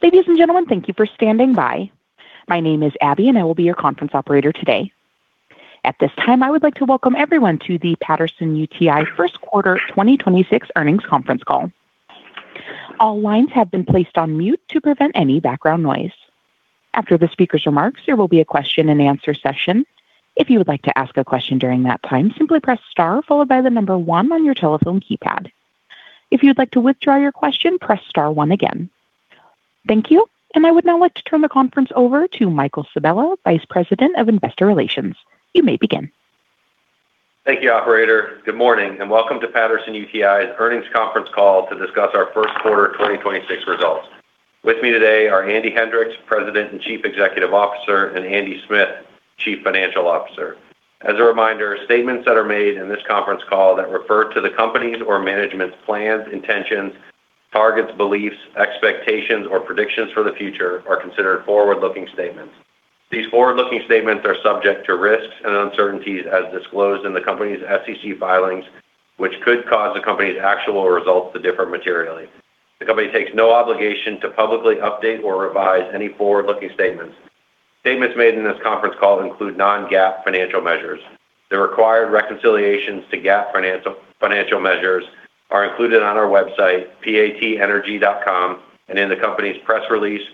Ladies and gentlemen, thank you for standing by. My name is Abby and I will be your conference operator today. At this time, I would like to welcome everyone to the Patterson-UTI Energy First Quarter 2026 Earnings Conference Call. All lines have been placed on mute to prevent any background noise. After the speaker's remarks, there will be a question and answer session. If you would like to ask a question during that time, simply press star followed by the one on your telephone keypad. If you'd like to withdraw your question, press star 1 oneagain. Thank you. I would now like to turn the conference over to Michael Sabella, Vice President of Investor Relations. You may begin. Thank you, operator. Good morning and welcome to Patterson-UTI's Earnings Conference Call to discuss our first quarter 2026 results. With me today are Andy Hendricks, President and Chief Executive Officer, and Andy Smith, Chief Financial Officer. As a reminder, statements that are made in this conference call that refer to the company's or management's plans, intentions, targets, beliefs, expectations, or predictions for the future are considered forward-looking statements. These forward-looking statements are subject to risks and uncertainties as disclosed in the company's SEC filings, which could cause the company's actual results to differ materially. The company takes no obligation to publicly update or revise any forward-looking statements. Statements made in this conference call include non-GAAP financial measures. The required reconciliations to GAAP financial measures are included on our website, patenergy.com, and in the company's press release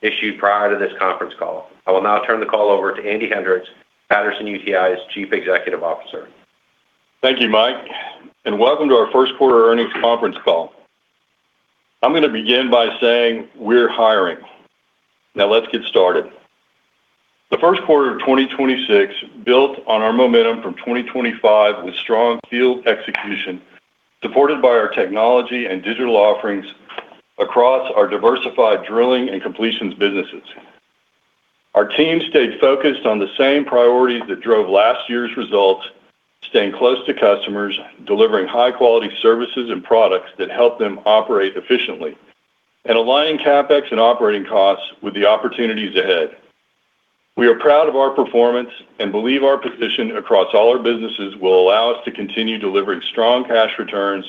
issued prior to this conference call. I will now turn the call over to Andy Hendricks, Patterson-UTI's Chief Executive Officer. Thank you Mike and welcome to our first quarter earnings conference call. I'm going to begin by saying we're hiring. Now let's get started. The first quarter of 2026 built on our momentum from 2025 with strong field execution supported by our technology and digital offerings across our diversified drilling and completions businesses. Our team stayed focused on the same priorities that drove last year's results, staying close to customers, delivering high-quality services and products that help them operate efficiently, and aligning CapEx and operating costs with the opportunities ahead. We are proud of our performance and believe our position across all our businesses will allow us to continue delivering strong cash returns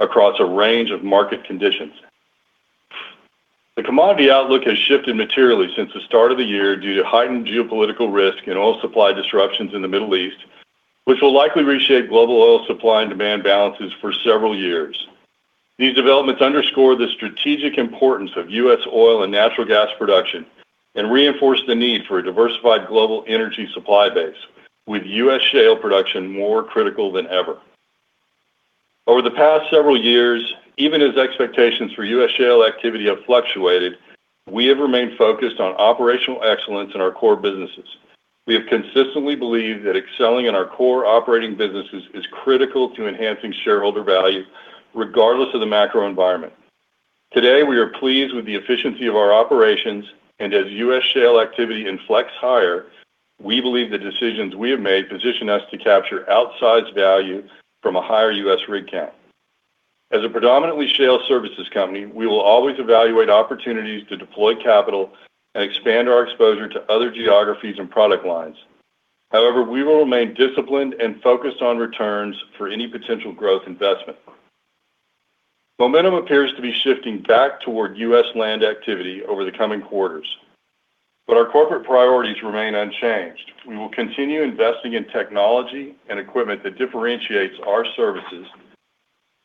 across a range of market conditions. The commodity outlook has shifted materially since the start of the year due to heightened geopolitical risk and oil supply disruptions in the Middle East, which will likely reshape global oil supply and demand balances for several years. These developments underscore the strategic importance of U.S. oil and natural gas production and reinforce the need for a diversified global energy supply base with U.S. shale production more critical than ever. Over the past several years, even as expectations for U.S. shale activity have fluctuated, we have remained focused on operational excellence in our core businesses. We have consistently believed that excelling in our core operating businesses is critical to enhancing shareholder value regardless of the macro environment. Today, we are pleased with the efficiency of our operations and as U.S. shale activity inflects higher, we believe the decisions we have made position us to capture outsized value from a higher U.S. rig count. As a predominantly shale services company, we will always evaluate opportunities to deploy capital and expand our exposure to other geographies and product lines. However, we will remain disciplined and focused on returns for any potential growth investment. Momentum appears to be shifting back toward U.S. land activity over the coming quarters. Our corporate priorities remain unchanged. We will continue investing in technology and equipment that differentiates our services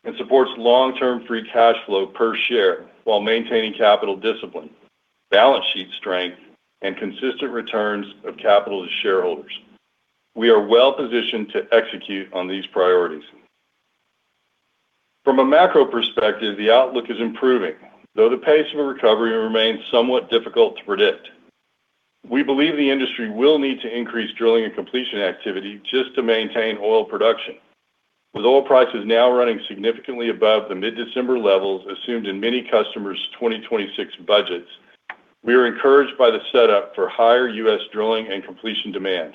and supports long-term free cash flow per share while maintaining capital discipline, balance sheet strength, and consistent returns of capital to shareholders. We are well-positioned to execute on these priorities. From a macro perspective, the outlook is improving. Though the pace of a recovery remains somewhat difficult to predict, we believe the industry will need to increase drilling and completion activity just to maintain oil production. With oil prices now running significantly above the mid-December levels assumed in many customers' 2026 budgets, we are encouraged by the setup for higher U.S. drilling and completion demand.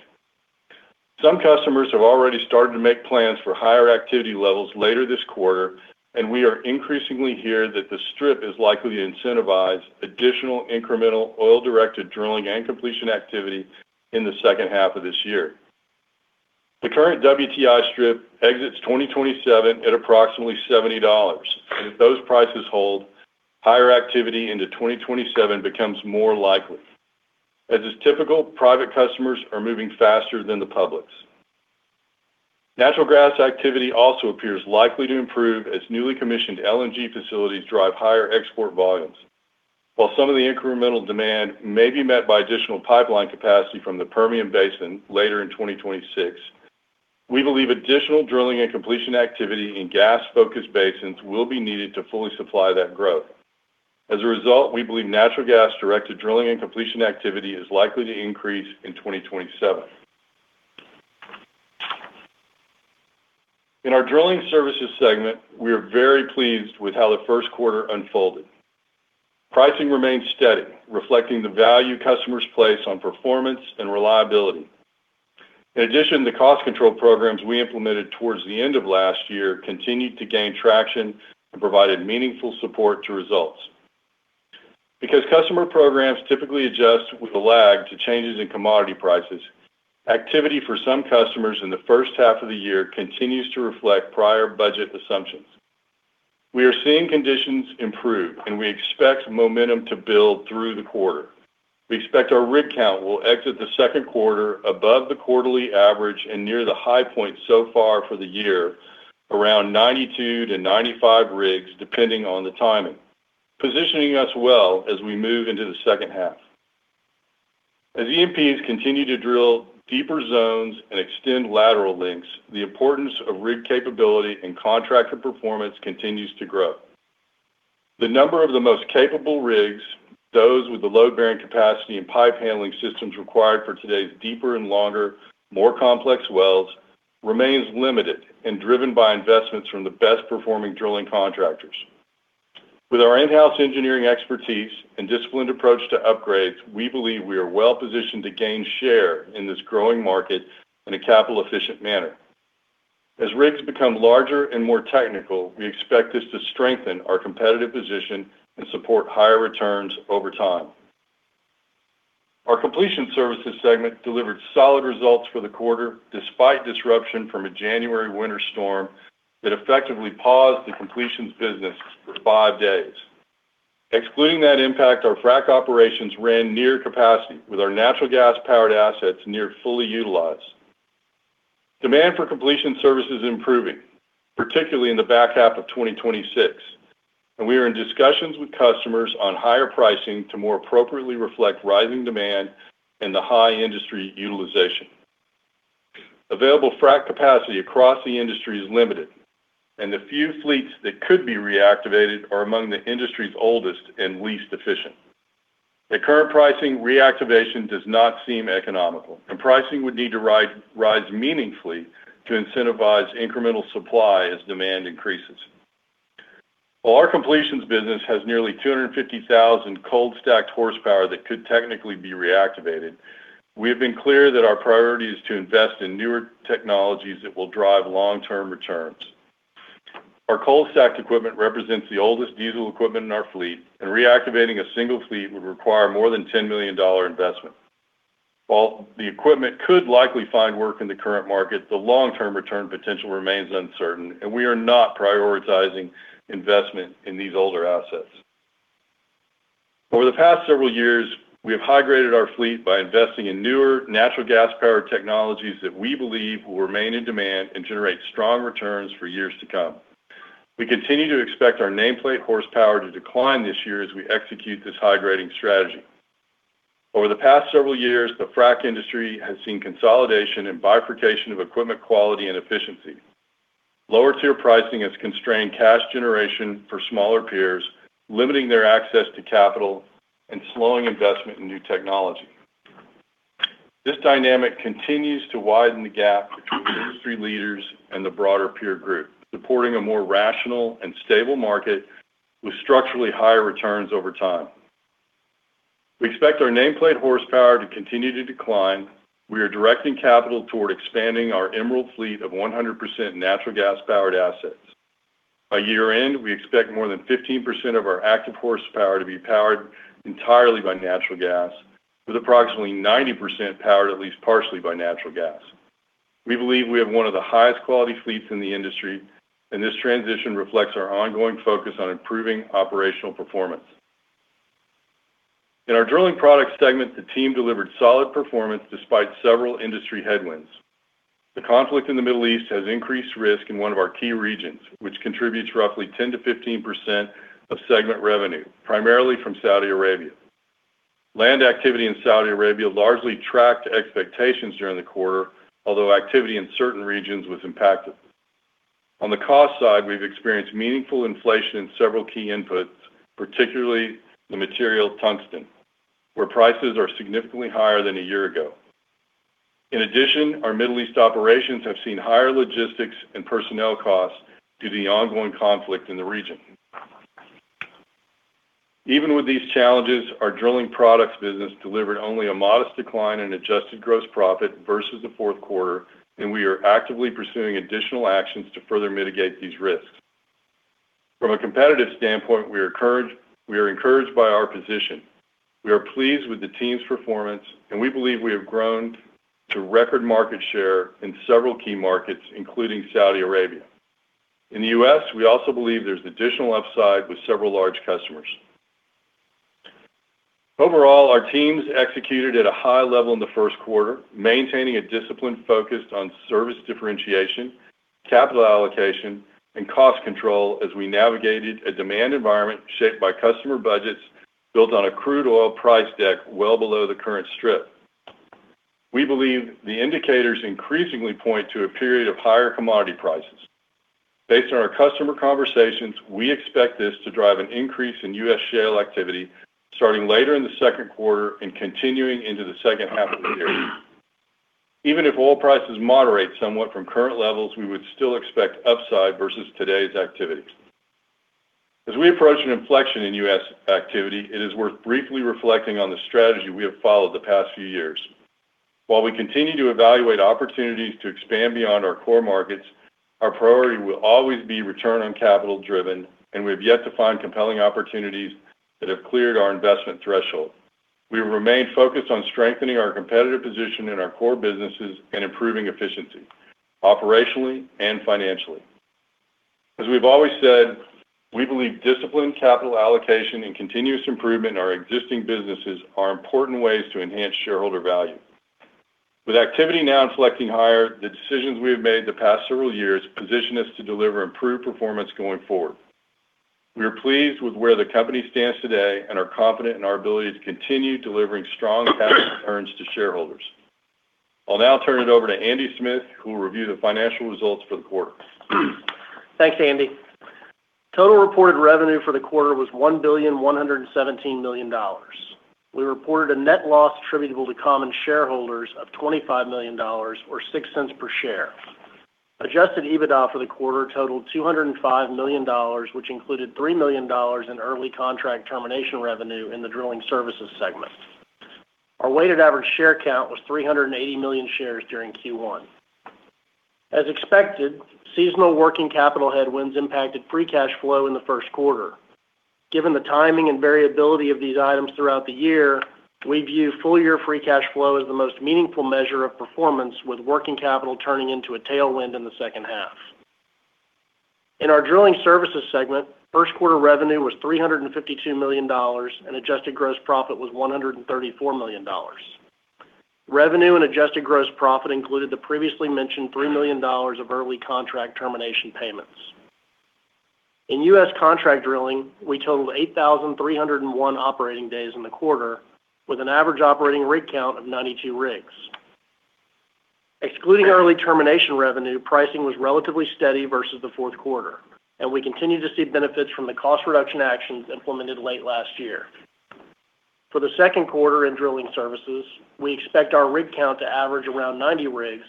Some customers have already started to make plans for higher activity levels later this quarter, and we are increasingly hearing that the strip is likely to incentivize additional incremental oil-directed drilling and completion activity in the H2 of this year. The current WTI strip exits 2027 at approximately $70. If those prices hold, higher activity into 2027 becomes more likely. As is typical, private customers are moving faster than the publics. Natural gas activity also appears likely to improve as newly commissioned LNG facilities drive higher export volumes. While some of the incremental demand may be met by additional pipeline capacity from the Permian Basin later in 2026, we believe additional drilling and completion activity in gas-focused basins will be needed to fully supply that growth. As a result, we believe natural gas-directed drilling and completion activity is likely to increase in 2027. In our drilling services segment, we are very pleased with how the first quarter unfolded. Pricing remained steady, reflecting the value customers place on performance and reliability. In addition, the cost control programs we implemented towards the end of last year continued to gain traction and provided meaningful support to results. Because customer programs typically adjust with a lag to changes in commodity prices. Activity for some customers in the H1 of the year continues to reflect prior budget assumptions. We are seeing conditions improve, and we expect momentum to build through the quarter. We expect our rig count will exit the second quarter above the quarterly average and near the high point so far for the year, around 92-95 rigs, depending on the timing, positioning us well as we move into the H2. As E&Ps continue to drill deeper zones and extend lateral lengths, the importance of rig capability and contractor performance continues to grow. The number of the most capable rigs, those with the load-bearing capacity and pipe handling systems required for today's deeper and longer, more complex wells, remains limited and driven by investments from the best-performing drilling contractors. With our in-house engineering expertise and disciplined approach to upgrades, we believe we are well positioned to gain share in this growing market in a capital-efficient manner. As rigs become larger and more technical, we expect this to strengthen our competitive position and support higher returns over time. Our completion services segment delivered solid results for the quarter, despite disruption from a January winter storm that effectively paused the completions business for five days. Excluding that impact, our frack operations ran near capacity, with our natural gas-powered assets near fully utilized. Demand for completion services is improving, particularly in the back half of 2026, and we are in discussions with customers on higher pricing to more appropriately reflect rising demand and the high industry utilization. Available frack capacity across the industry is limited, and the few fleets that could be reactivated are among the industry's oldest and least efficient. At current pricing, reactivation does not seem economical, and pricing would need to rise meaningfully to incentivize incremental supply as demand increases. While our completions business has nearly 250,000 cold-stacked horsepower that could technically be reactivated, we have been clear that our priority is to invest in newer technologies that will drive long-term returns. Our cold-stacked equipment represents the oldest diesel equipment in our fleet, and reactivating a single fleet would require more than a $10 million investment. While the equipment could likely find work in the current market, the long-term return potential remains uncertain, and we are not prioritizing investment in these older assets. Over the past several years, we have high-graded our fleet by investing in newer, natural gas-powered technologies that we believe will remain in demand and generate strong returns for years to come. We continue to expect our nameplate horsepower to decline this year as we execute this high-grading strategy. Over the past several years, the frack industry has seen consolidation and bifurcation of equipment quality and efficiency. Lower-tier pricing has constrained cash generation for smaller peers, limiting their access to capital and slowing investment in new technology. This dynamic continues to widen the gap between industry leaders and the broader peer group, supporting a more rational and stable market with structurally higher returns over time. We expect our nameplate horsepower to continue to decline. We are directing capital toward expanding our Emerald Fleet of 100% natural gas-powered assets. By year-end, we expect more than 15% of our active horsepower to be powered entirely by natural gas, with approximately 90% powered at least partially by natural gas. We believe we have one of the highest quality fleets in the industry, and this transition reflects our ongoing focus on improving operational performance. In our drilling products segment, the team delivered solid performance despite several industry headwinds. The conflict in the Middle East has increased risk in one of our key regions, which contributes roughly 10%-15% of segment revenue, primarily from Saudi Arabia. Land activity in Saudi Arabia largely tracked expectations during the quarter, although activity in certain regions was impacted. On the cost side, we've experienced meaningful inflation in several key inputs, particularly the material tungsten, where prices are significantly higher than a year ago. In addition, our Middle East operations have seen higher logistics and personnel costs due to the ongoing conflict in the region. Even with these challenges, our drilling products business delivered only a modest decline in adjusted gross profit versus the fourth quarter, and we are actively pursuing additional actions to further mitigate these risks. From a competitive standpoint, we are encouraged by our position. We are pleased with the team's performance, and we believe we have grown to record market share in several key markets, including Saudi Arabia. In the U.S., we also believe there's additional upside with several large customers. Overall, our teams executed at a high level in the first quarter, maintaining a discipline focused on service differentiation, capital allocation, and cost control as we navigated a demand environment shaped by customer budgets built on a crude oil price deck well below the current strip. We believe the indicators increasingly point to a period of higher commodity prices. Based on our customer conversations, we expect this to drive an increase in U.S. shale activity starting later in the second quarter and continuing into the H2 of the year. Even if oil prices moderate somewhat from current levels, we would still expect upside versus today's activity. As we approach an inflection in U.S. activity, it is worth briefly reflecting on the strategy we have followed the past few years. While we continue to evaluate opportunities to expand beyond our core markets, our priority will always be return on capital driven, and we've yet to find compelling opportunities that have cleared our investment threshold. We remain focused on strengthening our competitive position in our core businesses and improving efficiency, operationally and financially. As we've always said, we believe disciplined capital allocation and continuous improvement in our existing businesses are important ways to enhance shareholder value. With activity now inflecting higher, the decisions we have made the past several years position us to deliver improved performance going forward. We are pleased with where the company stands today and are confident in our ability to continue delivering strong capital returns to shareholders. I'll now turn it over to Andy Smith, who will review the financial results for the quarter. Thanks, Andy. Total reported revenue for the quarter was $1,117,000,000. We reported a net loss attributable to common shareholders of $25 million, or $0.06 per share. Adjusted EBITDA for the quarter totaled $205 million which included $3 million in early contract termination revenue in the Drilling Services segment. Our weighted average share count was 380 million shares during Q1. As expected, seasonal working capital headwinds impacted free cash flow in the first quarter. Given the timing and variability of these items throughout the year, we view full year free cash flow as the most meaningful measure of performance, with working capital turning into a tailwind in the second half. In our Drilling Services segment, first quarter revenue was $352 million and adjusted gross profit was $134 million. Revenue and adjusted gross profit included the previously mentioned $3 million of early contract termination payments. In U.S. contract drilling, we totaled 8,301 operating days in the quarter, with an average operating rig count of 92 rigs. Excluding early termination revenue, pricing was relatively steady versus the fourth quarter, and we continue to see benefits from the cost reduction actions implemented late last year. For the second quarter in Drilling Services, we expect our rig count to average around 90 rigs,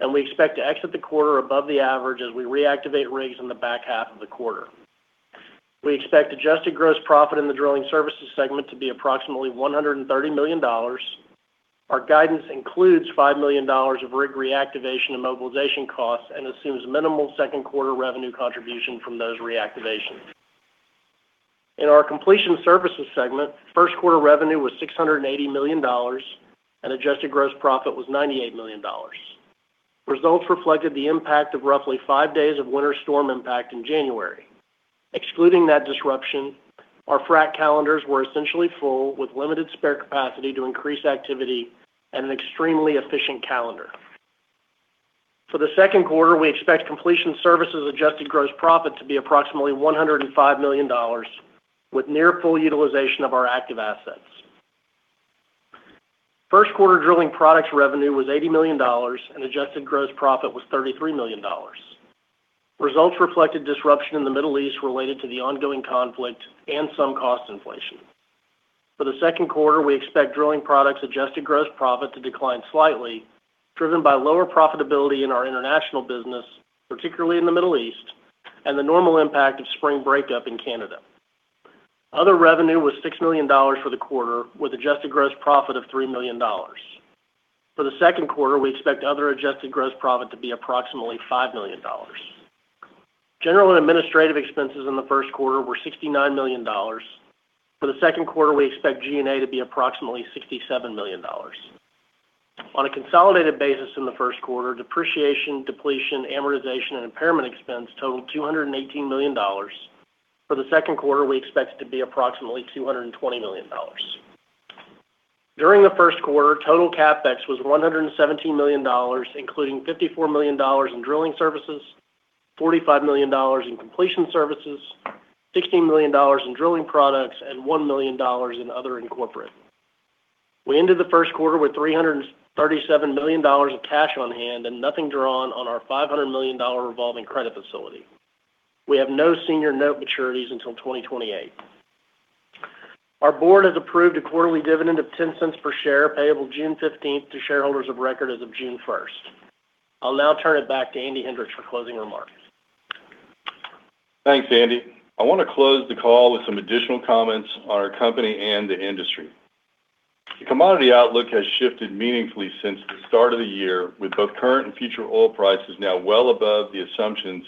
and we expect to exit the quarter above the average as we reactivate rigs in the back half of the quarter. We expect adjusted gross profit in the Drilling Services segment to be approximately $130 million. Our guidance includes $5 million of rig reactivation and mobilization costs and assumes minimal second quarter revenue contribution from those reactivations. In our Completion Services segment, first quarter revenue was $680 million, and adjusted gross profit was $98 million. Results reflected the impact of roughly five days of winter storm impact in January. Excluding that disruption, our frack calendars were essentially full, with limited spare capacity to increase activity and an extremely efficient calendar. For the second quarter, we expect completion services adjusted gross profit to be approximately $105 million, with near full utilization of our active assets. First quarter drilling products revenue was $80 million, and adjusted gross profit was $33 million. Results reflected disruption in the Middle East related to the ongoing conflict and some cost inflation. For the second quarter, we expect drilling products adjusted gross profit to decline slightly, driven by lower profitability in our international business, particularly in the Middle East, and the normal impact of spring breakup in Canada. Other revenue was $6 million for the quarter, with adjusted gross profit of $3 million. For the second quarter, we expect other adjusted gross profit to be approximately $5 million. General and administrative expenses in the first quarter were $69 million. For the second quarter, we expect G&A to be approximately $67 million. On a consolidated basis in the first quarter, depreciation, depletion, amortization, and impairment expense totaled $218 million. For the second quarter, we expect it to be approximately $220 million. During the first quarter, total CapEx was $117 million, including $54 million in drilling services, $45 million in completion services, $16 million in drilling products, and $1 million in other and corporate. We ended the first quarter with $337 million of cash on hand and nothing drawn on our $500 million revolving credit facility. We have no senior note maturities until 2028. Our board has approved a quarterly dividend of 10 cents per share, payable June 15th to shareholders of record as of June 1st. I'll now turn it back to Andy Hendricks for closing remarks. Thanks, Andy. I want to close the call with some additional comments on our company and the industry. The commodity outlook has shifted meaningfully since the start of the year, with both current and future oil prices now well above the assumptions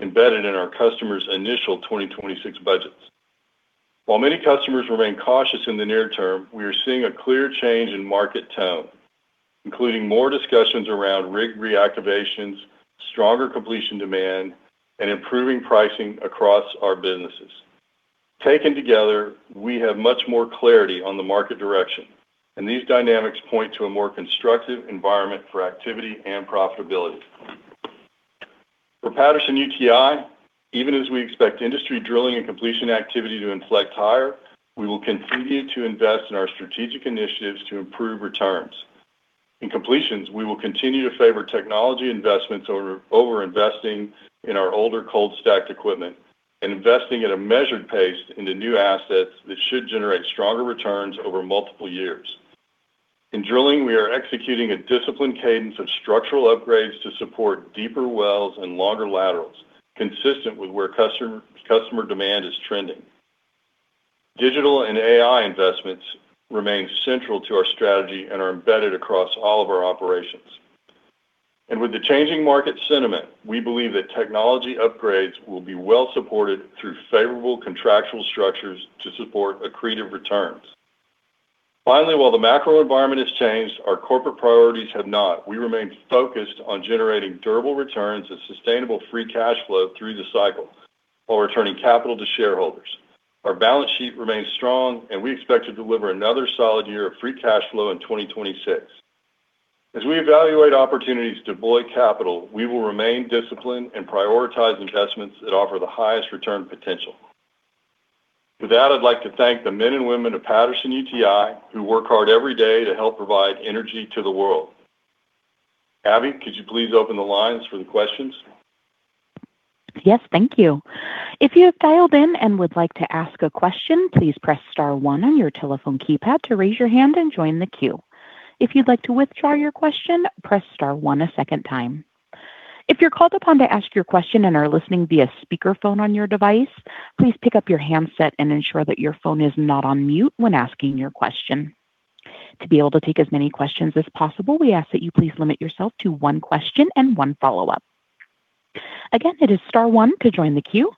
embedded in our customers' initial 2026 budgets. While many customers remain cautious in the near term, we are seeing a clear change in market tone, including more discussions around rig reactivations, stronger completion demand, and improving pricing across our businesses. Taken together, we have much more clarity on the market direction, and these dynamics point to a more constructive environment for activity and profitability. For Patterson-UTI Energy, even as we expect industry drilling and completion activity to inflect higher, we will continue to invest in our strategic initiatives to improve returns. In completions, we will continue to favor technology investments over investing in our older cold stacked equipment and investing at a measured pace into new assets that should generate stronger returns over multiple years. In drilling, we are executing a disciplined cadence of structural upgrades to support deeper wells and longer laterals consistent with where customer demand is trending. Digital remains central to our strategy and is embedded across all of our operations. With the changing market sentiment, we believe that technology upgrades will be well supported through favorable contractual structures to support accretive returns. Finally, while the macro environment has changed, our corporate priorities have not. We remain focused on generating durable returns and sustainable free cash flow through the cycle while returning capital to shareholders. Our balance sheet remains strong, and we expect to deliver another solid year of free cash flow in 2026. As we evaluate opportunities to deploy capital, we will remain disciplined and prioritize investments that offer the highest return potential. With that, I'd like to thank the men and women of Patterson-UTI Energy who work hard every day to help provide energy to the world. Abby, could you please open the lines for the questions? Yes. Thank you. If you have dialed in and would like to ask a question, please press star one on your telephone keypad to raise your hand and join the queue. If you'd like to withdraw your question, press star one a second time. If you're called upon to ask your question and are listening via speakerphone on your device, please pick up your handset and ensure that your phone is not on mute when asking your question. To be able to take as many questions as possible, we ask that you please limit yourself to one question and one follow-up. Again, it is star one to join the queue.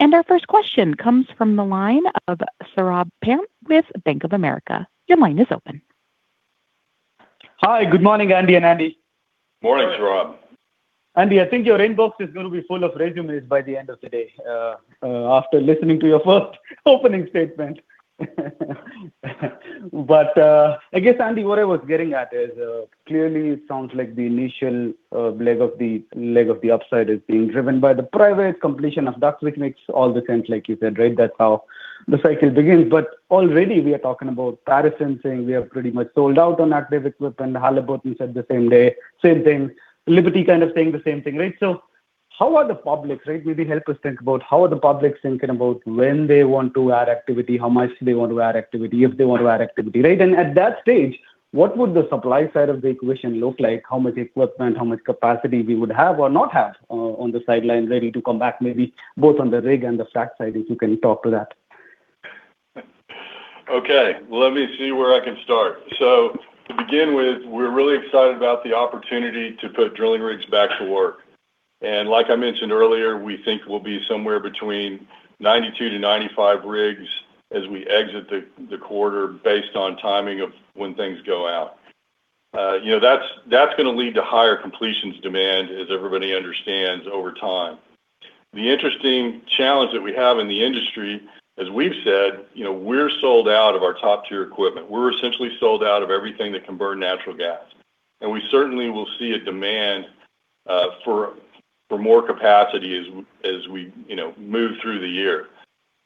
Our first question comes from the line of Saurabh Pant with Bank of America. Your line is open. Hi. Good morning, Andy and Andy. Morning, Saurabh. Andy, I think your inbox is going to be full of resumes by the end of the day after listening to your first opening statement. I guess, Andy, what I was getting at is, clearly it sounds like the initial leg of the upside is being driven by the private completion of DUCs, which makes all the sense, like you said, right? That's how the cycle begins. Already we are talking about Patterson saying we are pretty much sold out on active equipment. Halliburton said the same thing. Liberty kind of saying the same thing, right? How are the publics, right? Maybe help us think about how are the publics thinking about when they want to add activity, how much they want to add activity, if they want to add activity, right? At that stage, what would the supply side of the equation look like? How much equipment, how much capacity we would have or not have on the sideline ready to come back, maybe both on the rig and the frac side, if you can talk to that? Okay. Let me see where I can start. To begin with, we're really excited about the opportunity to put drilling rigs back to work. Like I mentioned earlier, we think we'll be somewhere between 92-95 rigs as we exit the quarter based on timing of when things go out. That's going to lead to higher completions demand, as everybody understands, over time. The interesting challenge that we have in the industry, as we've said, we're sold out of our top-tier equipment. We're essentially sold out of everything that can burn natural gas. We certainly will see a demand for more capacity as we move through the year.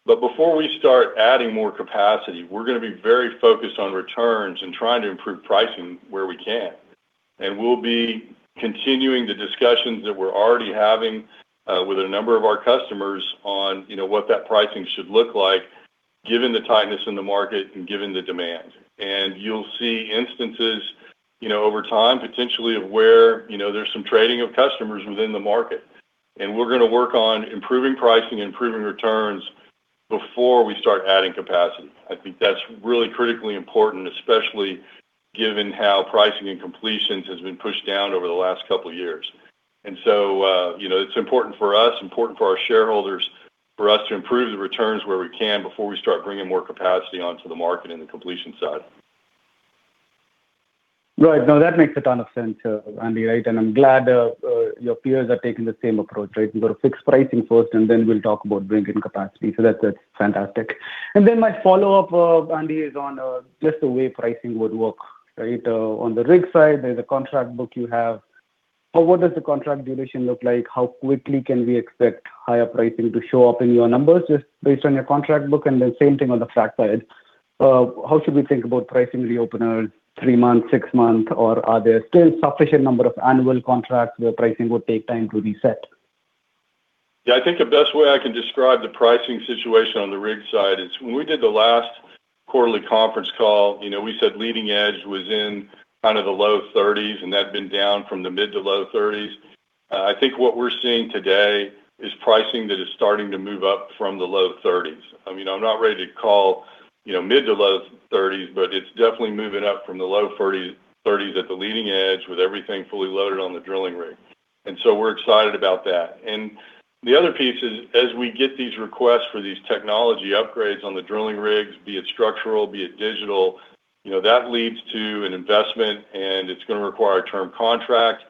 Before we start adding more capacity, we're going to be very focused on returns and trying to improve pricing where we can. We'll be continuing the discussions that we're already having with a number of our customers on what that pricing should look like, given the tightness in the market and given the demand. You'll see instances over time, potentially, of where there's some trading of customers within the market. We're going to work on improving pricing, improving returns before we start adding capacity. I think that's really critically important, especially given how pricing and completions has been pushed down over the last couple of years. It's important for us, important for our shareholders, for us to improve the returns where we can before we start bringing more capacity onto the market in the completion side. Right. No, that makes a ton of sense, Andy. I'm glad your peers are taking the same approach, right? We've got to fix pricing first, and then we'll talk about bringing capacity. That's fantastic. Then my follow-up, Andy, is on just the way pricing would work. On the rig side, there's a contract book you have. What does the contract duration look like? How quickly can we expect higher pricing to show up in your numbers just based on your contract book, and the same thing on the frac side? How should we think about pricing reopeners, three months, six months, or are there still sufficient number of annual contracts where pricing would take time to reset? Yeah. I think the best way I can describe the pricing situation on the rig side is when we did the last quarterly conference call, we said leading-edge was in kind of the low $30s, and that had been down from the mid to low $30s. I think what we're seeing today is pricing that is starting to move up from the low $30s. I'm not ready to call mid to low $30s, but it's definitely moving up from the low $30s at the leading-edge with everything fully loaded on the drilling rig. We're excited about that. The other piece is, as we get these requests for these technology upgrades on the drilling rigs, be it structural, be it digital, that leads to an investment, and it's going to require a term contract.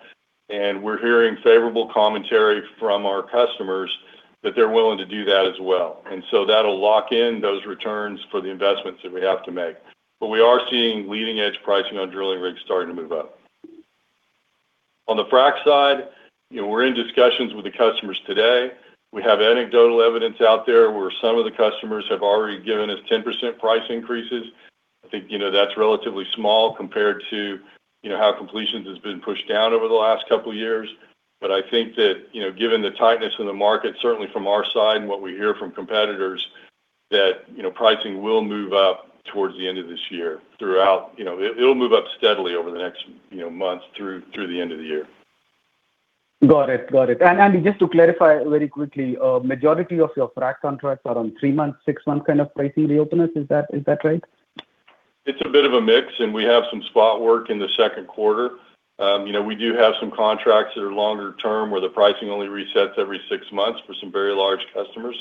We're hearing favorable commentary from our customers that they're willing to do that as well. That'll lock in those returns for the investments that we have to make. We are seeing leading-edge pricing on drilling rigs starting to move up. On the frac side, we're in discussions with the customers today. We have anecdotal evidence out there where some of the customers have already given us 10% price increases. I think that's relatively small compared to how completions has been pushed down over the last couple of years. I think that given the tightness in the market, certainly from our side and what we hear from competitors, that pricing will move up towards the end of this year. It'll move up steadily over the next months through the end of the year. Got it. Andy, just to clarify very quickly, a majority of your frac contracts are on three-month, six-month kind of pricing reopeners. Is that right? It's a bit of a mix, and we have some spot work in the second quarter. We do have some contracts that are longer term where the pricing only resets every six months for some very large customers,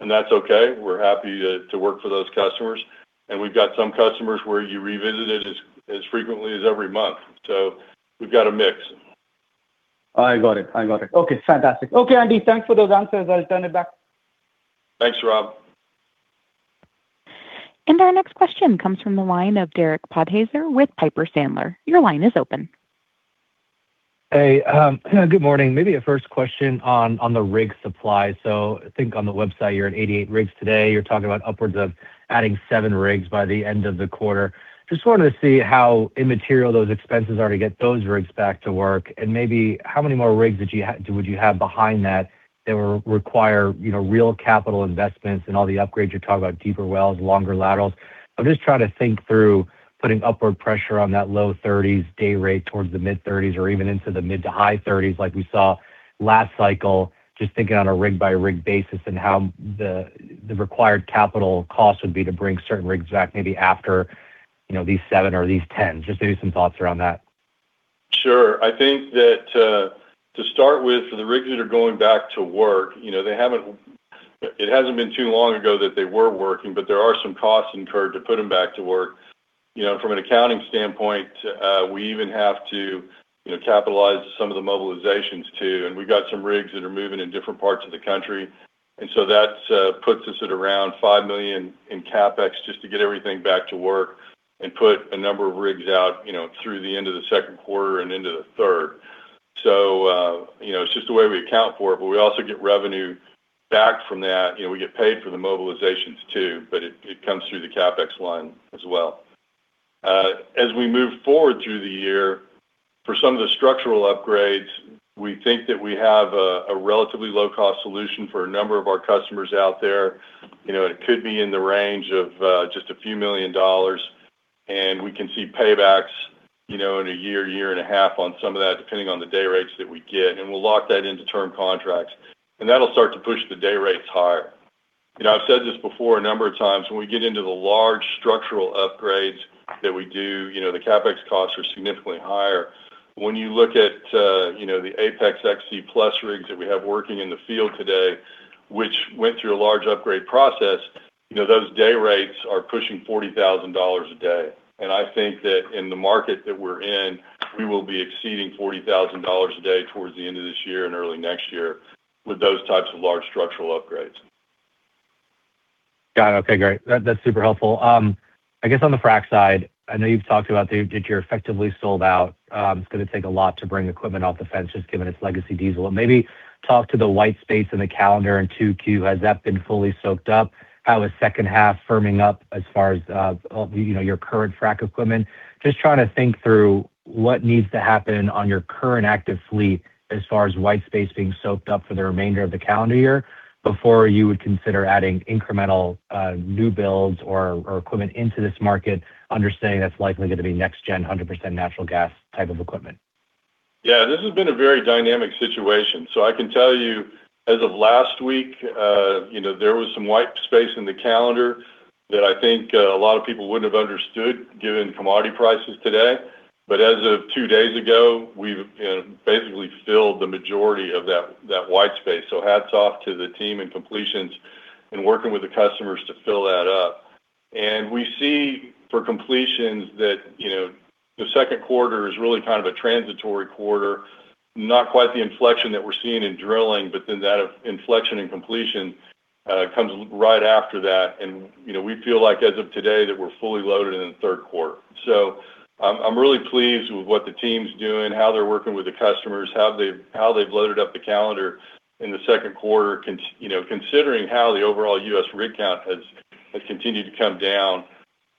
and that's okay. We're happy to work for those customers. We've got some customers where you revisit it as frequently as every month. We've got a mix. I got it. Okay, fantastic. Okay, Andy, thanks for those answers. I'll turn it back. Thanks, Saurabh Pant. Our next question comes from the line of Derek Podhaizer with Piper Sandler. Your line is open. Hey, good morning. Maybe a first question on the rig supply. I think on the website, you're at 88 rigs today. You're talking about upwards of adding seven rigs by the end of the quarter. Just wanted to see how immaterial those expenses are to get those rigs back to work, and maybe how many more rigs would you have behind that would require real capital investments and all the upgrades, you're talking about deeper wells, longer laterals. I'm just trying to think through putting upward pressure on that low 30s day rate towards the mid-30s or even into the mid to high 30s like we saw last cycle, just thinking on a rig-by-rig basis and how the required capital cost would be to bring certain rigs back maybe after these seven or these 10. Just maybe some thoughts around that. Sure. I think that to start with, for the rigs that are going back to work, it hasn't been too long ago that they were working, but there are some costs incurred to put them back to work. From an accounting standpoint, we even have to capitalize some of the mobilizations too, and we've got some rigs that are moving in different parts of the country. That puts us at around $5 million in CapEx just to get everything back to work and put a number of rigs out through the end of the second quarter and into the third. It's just the way we account for it, but we also get revenue back from that. We get paid for the mobilizations too, but it comes through the CapEx line as well. As we move forward through the year, for some of the structural upgrades, we think that we have a relatively low-cost solution for a number of our customers out there. It could be in the range of just a few million dollars, and we can see paybacks in a year and a half on some of that, depending on the day rates that we get, and we'll lock that into term contracts. That'll start to push the day rates higher. I've said this before a number of times. When we get into the large structural upgrades that we do, the CapEx costs are significantly higher. When you look at the APEX XC+ rigs that we have working in the field today, which went through a large upgrade process, those day rates are pushing $40,000 a day. I think that in the market that we're in, we will be exceeding $40,000 a day towards the end of this year and early next year with those types of large structural upgrades. Got it. Okay, great. That's super helpful. I guess on the frac side, I know you've talked about that you're effectively sold out. It's going to take a lot to bring equipment off the fence just given its legacy diesel. Maybe talk to the white space in the calendar in 2Q. Has that been fully soaked up? How is second half firming up as far as your current frac equipment? Just trying to think through what needs to happen on your current active fleet as far as white space being soaked up for the remainder of the calendar year before you would consider adding incremental new builds or equipment into this market, understanding that's likely going to be next-gen 100% natural gas type of equipment. Yeah, this has been a very dynamic situation. I can tell you as of last week, there was some white space in the calendar that I think a lot of people wouldn't have understood given commodity prices today. As of two days ago, we've basically filled the majority of that white space. Hats off to the team in completions and working with the customers to fill that up. We see for completions that the second quarter is really kind of a transitory quarter, not quite the inflection that we're seeing in drilling, but then that inflection in completion comes right after that. We feel like as of today that we're fully loaded in the third quarter. I'm really pleased with what the team's doing, how they're working with the customers, how they've loaded up the calendar in the second quarter, considering how the overall U.S. rig count has continued to come down.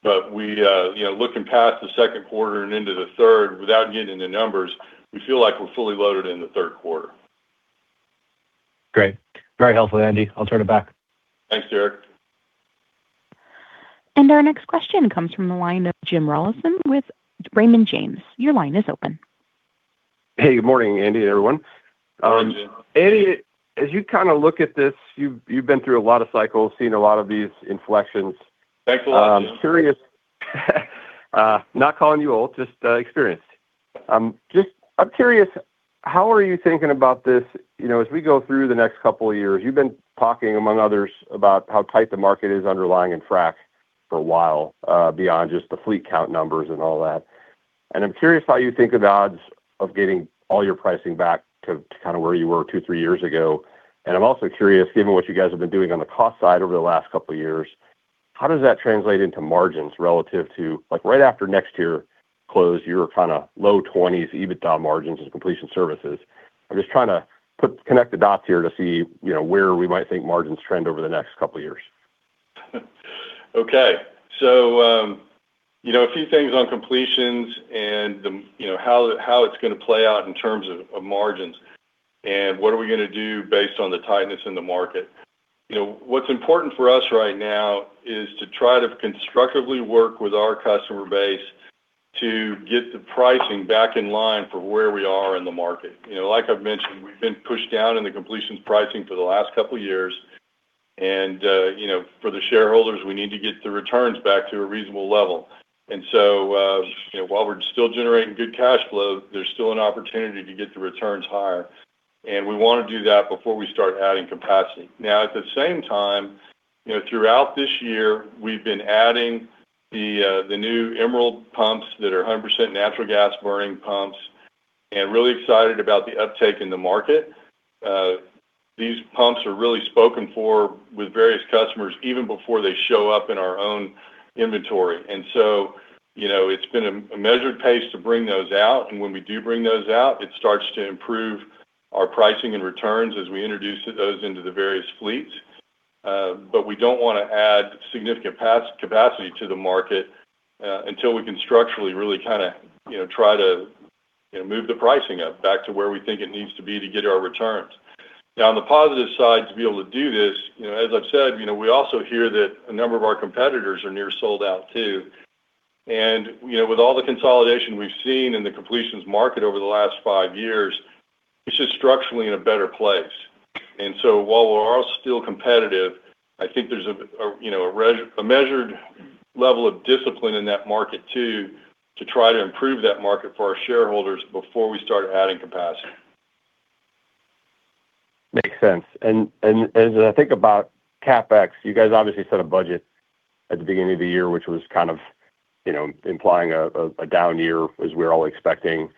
Looking past the second quarter and into the third, without getting into numbers, we feel like we're fully loaded in the third quarter. Great. Very helpful, Andy. I'll turn it back. Thanks, Derek. Our next question comes from the line of Jim Rollyson with Raymond James. Your line is open. Hey, good morning Andy, everyone. Good morning, Jim. Andy, as you kind of look at this, you've been through a lot of cycles, seen a lot of these inflections. Thanks a lot, Jim. I'm curious. Not calling you old, just experienced. I'm curious, how are you thinking about this as we go through the next couple of years? You've been talking, among others, about how tight the market is underlying in frac for a while, beyond just the fleet count numbers and all that. I'm curious how you think the odds of getting all your pricing back to kind of where you were two, three years ago. I'm also curious, given what you guys have been doing on the cost side over the last couple of years, how does that translate into margins relative to like right after next year closed, you were kind of low 20s EBITDA margins in Completion Services. I'm just trying to connect the dots here to see where we might think margins trend over the next couple of years. A few things on completions and how it's going to play out in terms of margins and what are we going to do based on the tightness in the market. What's important for us right now is to try to constructively work with our customer base to get the pricing back in line for where we are in the market. Like I've mentioned, we've been pushed down in the completions pricing for the last couple of years, and for the shareholders, we need to get the returns back to a reasonable level. While we're still generating good cash flow, there's still an opportunity to get the returns higher. We want to do that before we start adding capacity. Now, at the same time, throughout this year, we've been adding the new Emerald pumps that are 100% natural gas burning pumps, and really excited about the uptake in the market. These pumps are really spoken for with various customers, even before they show up in our own inventory. It's been a measured pace to bring those out, and when we do bring those out, it starts to improve our pricing and returns as we introduce those into the various fleets. We don't want to add significant capacity to the market until we can structurally really try to move the pricing up back to where we think it needs to be to get our returns. Now, on the positive side, to be able to do this, as I've said, we also hear that a number of our competitors are near sold out too. With all the consolidation we've seen in the completions market over the last five years, it's just structurally in a better place. While we're all still competitive, I think there's a measured level of discipline in that market too, to try to improve that market for our shareholders before we start adding capacity. Makes sense. As I think about CapEx, you guys obviously set a budget at the beginning of the year, which was kind of implying a down year as we're all expecting,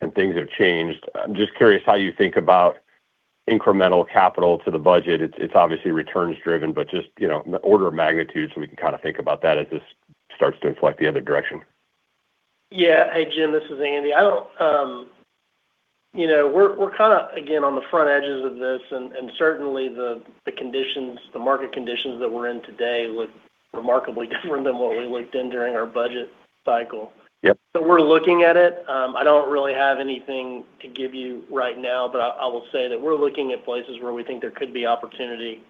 and things have changed. I'm just curious how you think about incremental capital to the budget. It's obviously returns driven, but just the order of magnitude so we can kind of think about that as this starts to inflect the other direction. Yeah. Hey, Jim, this is Andy. We're kind of, again, on the front end of this, and certainly the market conditions that we're in today look remarkably different than what we looked at during our budget cycle. Yep. We're looking at it. I don't really have anything to give you right now, but I will say that we're looking at places where we think there could be opportunity,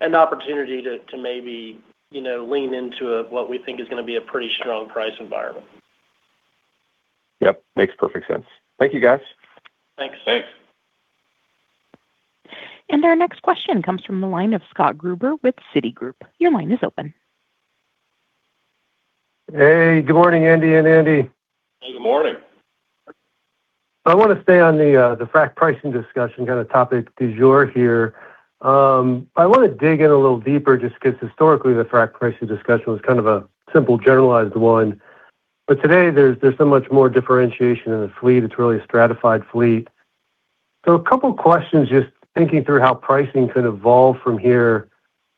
and opportunity to maybe lean into what we think is going to be a pretty strong price environment. Yep, makes perfect sense. Thank you, guys. Thanks. Thanks. Our next question comes from the line of Scott Gruber with Citigroup. Your line is open. Hey, good morning, Andy and Andy. Hey, good morning. I want to stay on the frac pricing discussion, kind of topic du jour here. I want to dig in a little deeper just because historically, the frac pricing discussion was kind of a simple generalized one. Today, there's so much more differentiation in the fleet. It's really a stratified fleet. A couple questions, just thinking through how pricing could evolve from here.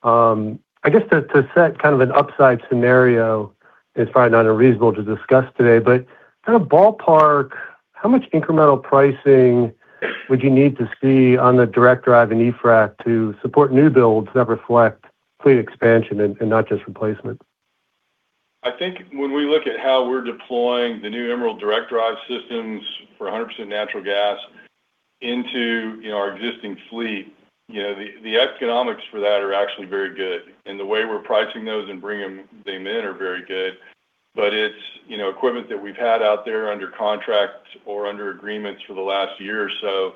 I guess to set kind of an upside scenario is probably not unreasonable to discuss today. Kind of ballpark, how much incremental pricing would you need to see on the direct drive and e-frac to support new builds that reflect fleet expansion and not just replacement? I think when we look at how we're deploying the new Emerald direct drive systems for 100% natural gas into our existing fleet, the economics for that are actually very good. The way we're pricing those and bringing them in are very good. It's equipment that we've had out there under contract or under agreements for the last year or so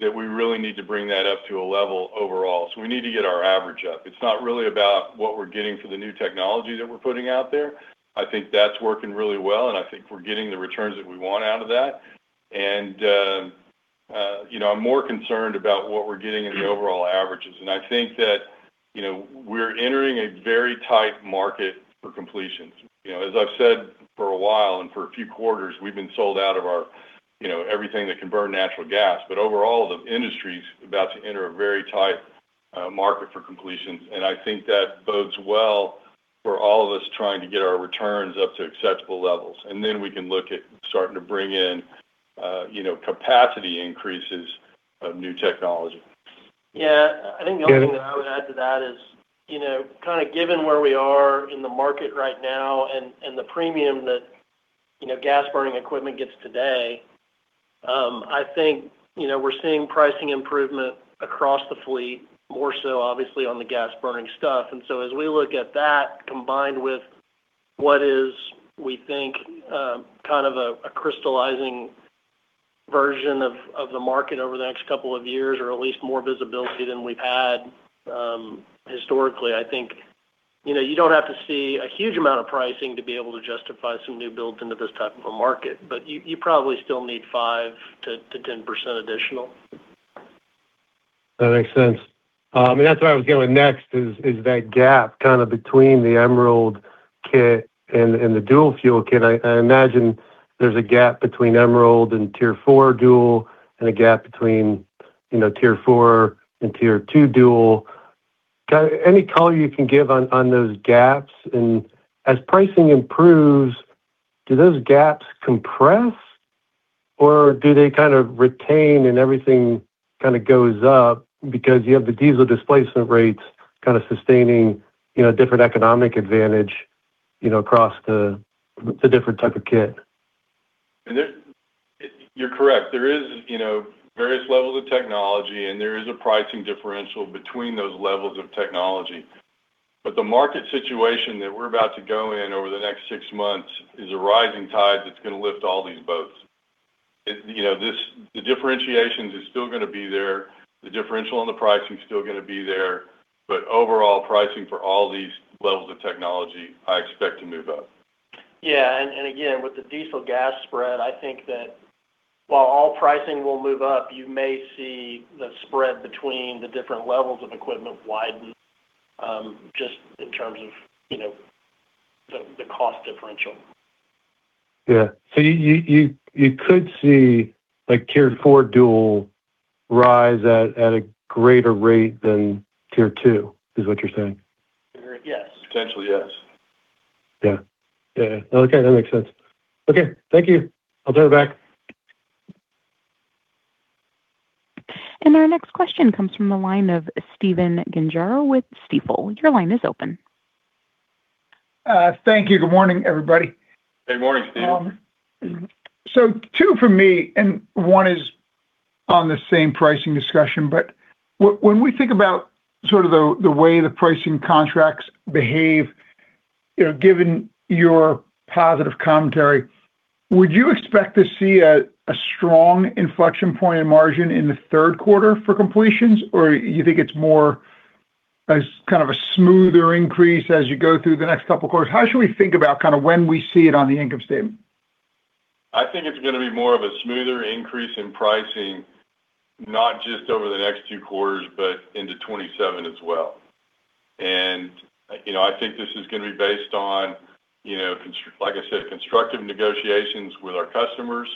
that we really need to bring that up to a level overall. We need to get our average up. It's not really about what we're getting for the new technology that we're putting out there. I think that's working really well, and I think we're getting the returns that we want out of that. I'm more concerned about what we're getting in the overall averages. I think that we're entering a very tight market for completions. As I've said for a while, and for a few quarters, we've been sold out of everything that can burn natural gas. Overall, the industry's about to enter a very tight market for completions, and I think that bodes well for all of us trying to get our returns up to acceptable levels. Then we can look at starting to bring in capacity increases of new technology. Yeah. I think the only thing that I would add to that is, kind of given where we are in the market right now and the premium that gas burning equipment gets today, I think we're seeing pricing improvement across the fleet, more so obviously on the gas burning stuff. As we look at that, combined with what is, we think, kind of a crystallizing version of the market over the next couple of years, or at least more visibility than we've had historically. I think you don't have to see a huge amount of pricing to be able to justify some new builds into this type of a market, but you probably still need 5%-10% additional. That makes sense. That's what I was going next is, that gap kind of between the Emerald kit and the dual fuel kit. I imagine there's a gap between Emerald and Tier 4 dual, and a gap between Tier 4 and Tier 2 dual. Any color you can give on those gaps? And as pricing improves, do those gaps compress, or do they kind of retain and everything kind of goes up because you have the diesel displacement rates kind of sustaining different economic advantage across the different type of kit? You're correct. There is various levels of technology, and there is a pricing differential between those levels of technology. The market situation that we're about to go in over the next six months is a rising tide that's going to lift all these boats. The differentiations is still going to be there. The differential on the pricing is still going to be there. Overall, pricing for all these levels of technology, I expect to move up. Yeah. Again, with the diesel gas spread, I think that while all pricing will move up, you may see the spread between the different levels of equipment widen, just in terms of the cost differential. Yeah. You could see Tier 4 utilization rise at a greater rate than Tier 2, is what you're saying? Yes. Potentially, yes. Yeah. Okay. That makes sense. Okay. Thank you. I'll turn it back. Our next question comes from the line of Stephen Gengaro with Stifel. Your line is open. Thank you. Good morning everybody. Good morning, Steve. Two from me, and one is on the same pricing discussion, but when we think about sort of the way the pricing contracts behave, given your positive commentary, would you expect to see a strong inflection point in margin in the third quarter for completions? You think it's more as kind of a smoother increase as you go through the next couple of quarters? How should we think about kind of when we see it on the income statement? I think it's going to be more of a smoother increase in pricing, not just over the next two quarters, but into 2027 as well. I think this is going to be based on, like I said, constructive negotiations with our customers.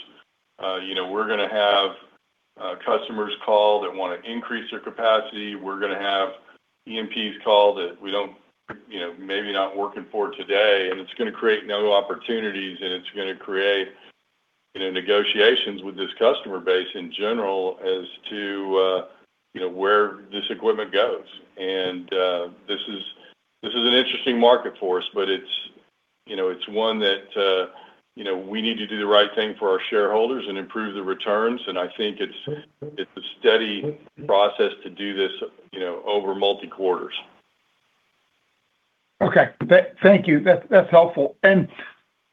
We're going to have customers call that want to increase their capacity. We're going to have E&Ps call that we maybe not working for today, and it's going to create new opportunities, and it's going to create negotiations with this customer base in general as to where this equipment goes. This is an interesting market for us, but it's one that we need to do the right thing for our shareholders and improve the returns. I think it's a steady process to do this over multi-quarters. Okay. Thank you. That's helpful.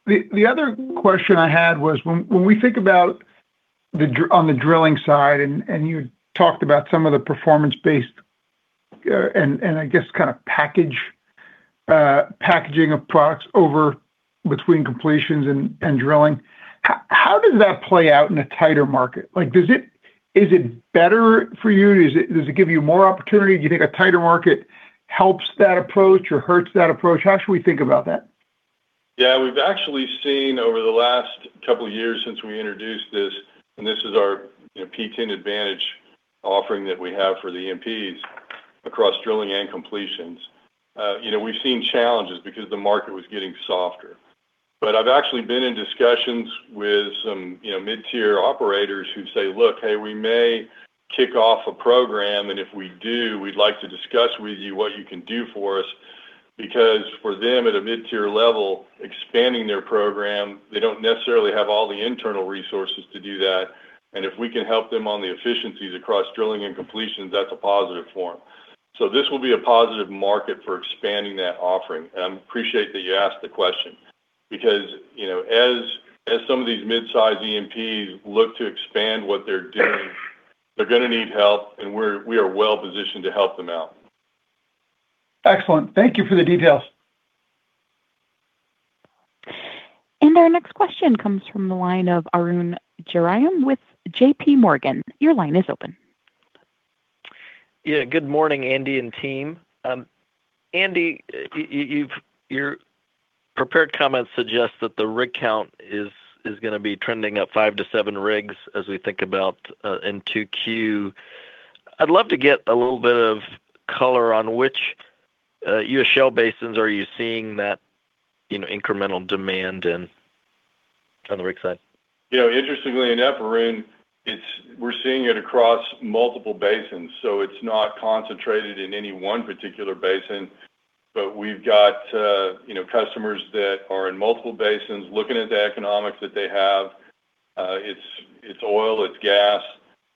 The other question I had was, when we think about on the drilling side, and you talked about some of the performance-based and, I guess, kind of packaging of products over between completions and drilling, how does that play out in a tighter market? Is it better for you? Does it give you more opportunity? Do you think a tighter market helps that approach or hurts that approach? How should we think about that? Yeah, we've actually seen over the last couple of years since we introduced this, and this is our P10 Advantage offering that we have for the E&Ps across drilling and completions. We've seen challenges because the market was getting softer. I've actually been in discussions with some mid-tier operators who say, "Look, hey, we may kick off a program, and if we do, we'd like to discuss with you what you can do for us," because for them at a mid-tier level, expanding their program, they don't necessarily have all the internal resources to do that. If we can help them on the efficiencies across drilling and completions, that's a positive for them. This will be a positive market for expanding that offering. I appreciate that you asked the question because as some of these mid-size E&Ps look to expand what they're doing, they're going to need help, and we are well-positioned to help them out. Excellent. Thank you for the details. Our next question comes from the line of Arun Jayaram with JPMorgan. Your line is open. Yeah. Good morning, Andy and team. Andy, your prepared comments suggest that the rig count is going to be trending up five to seven rigs as we think about in 2Q. I'd love to get a little bit of color on which U.S. shale basins are you seeing that incremental demand on the rig side? Interestingly enough, Arun, we're seeing it across multiple basins. It's not concentrated in any one particular basin. We've got customers that are in multiple basins looking at the economics that they have. It's oil, it's gas,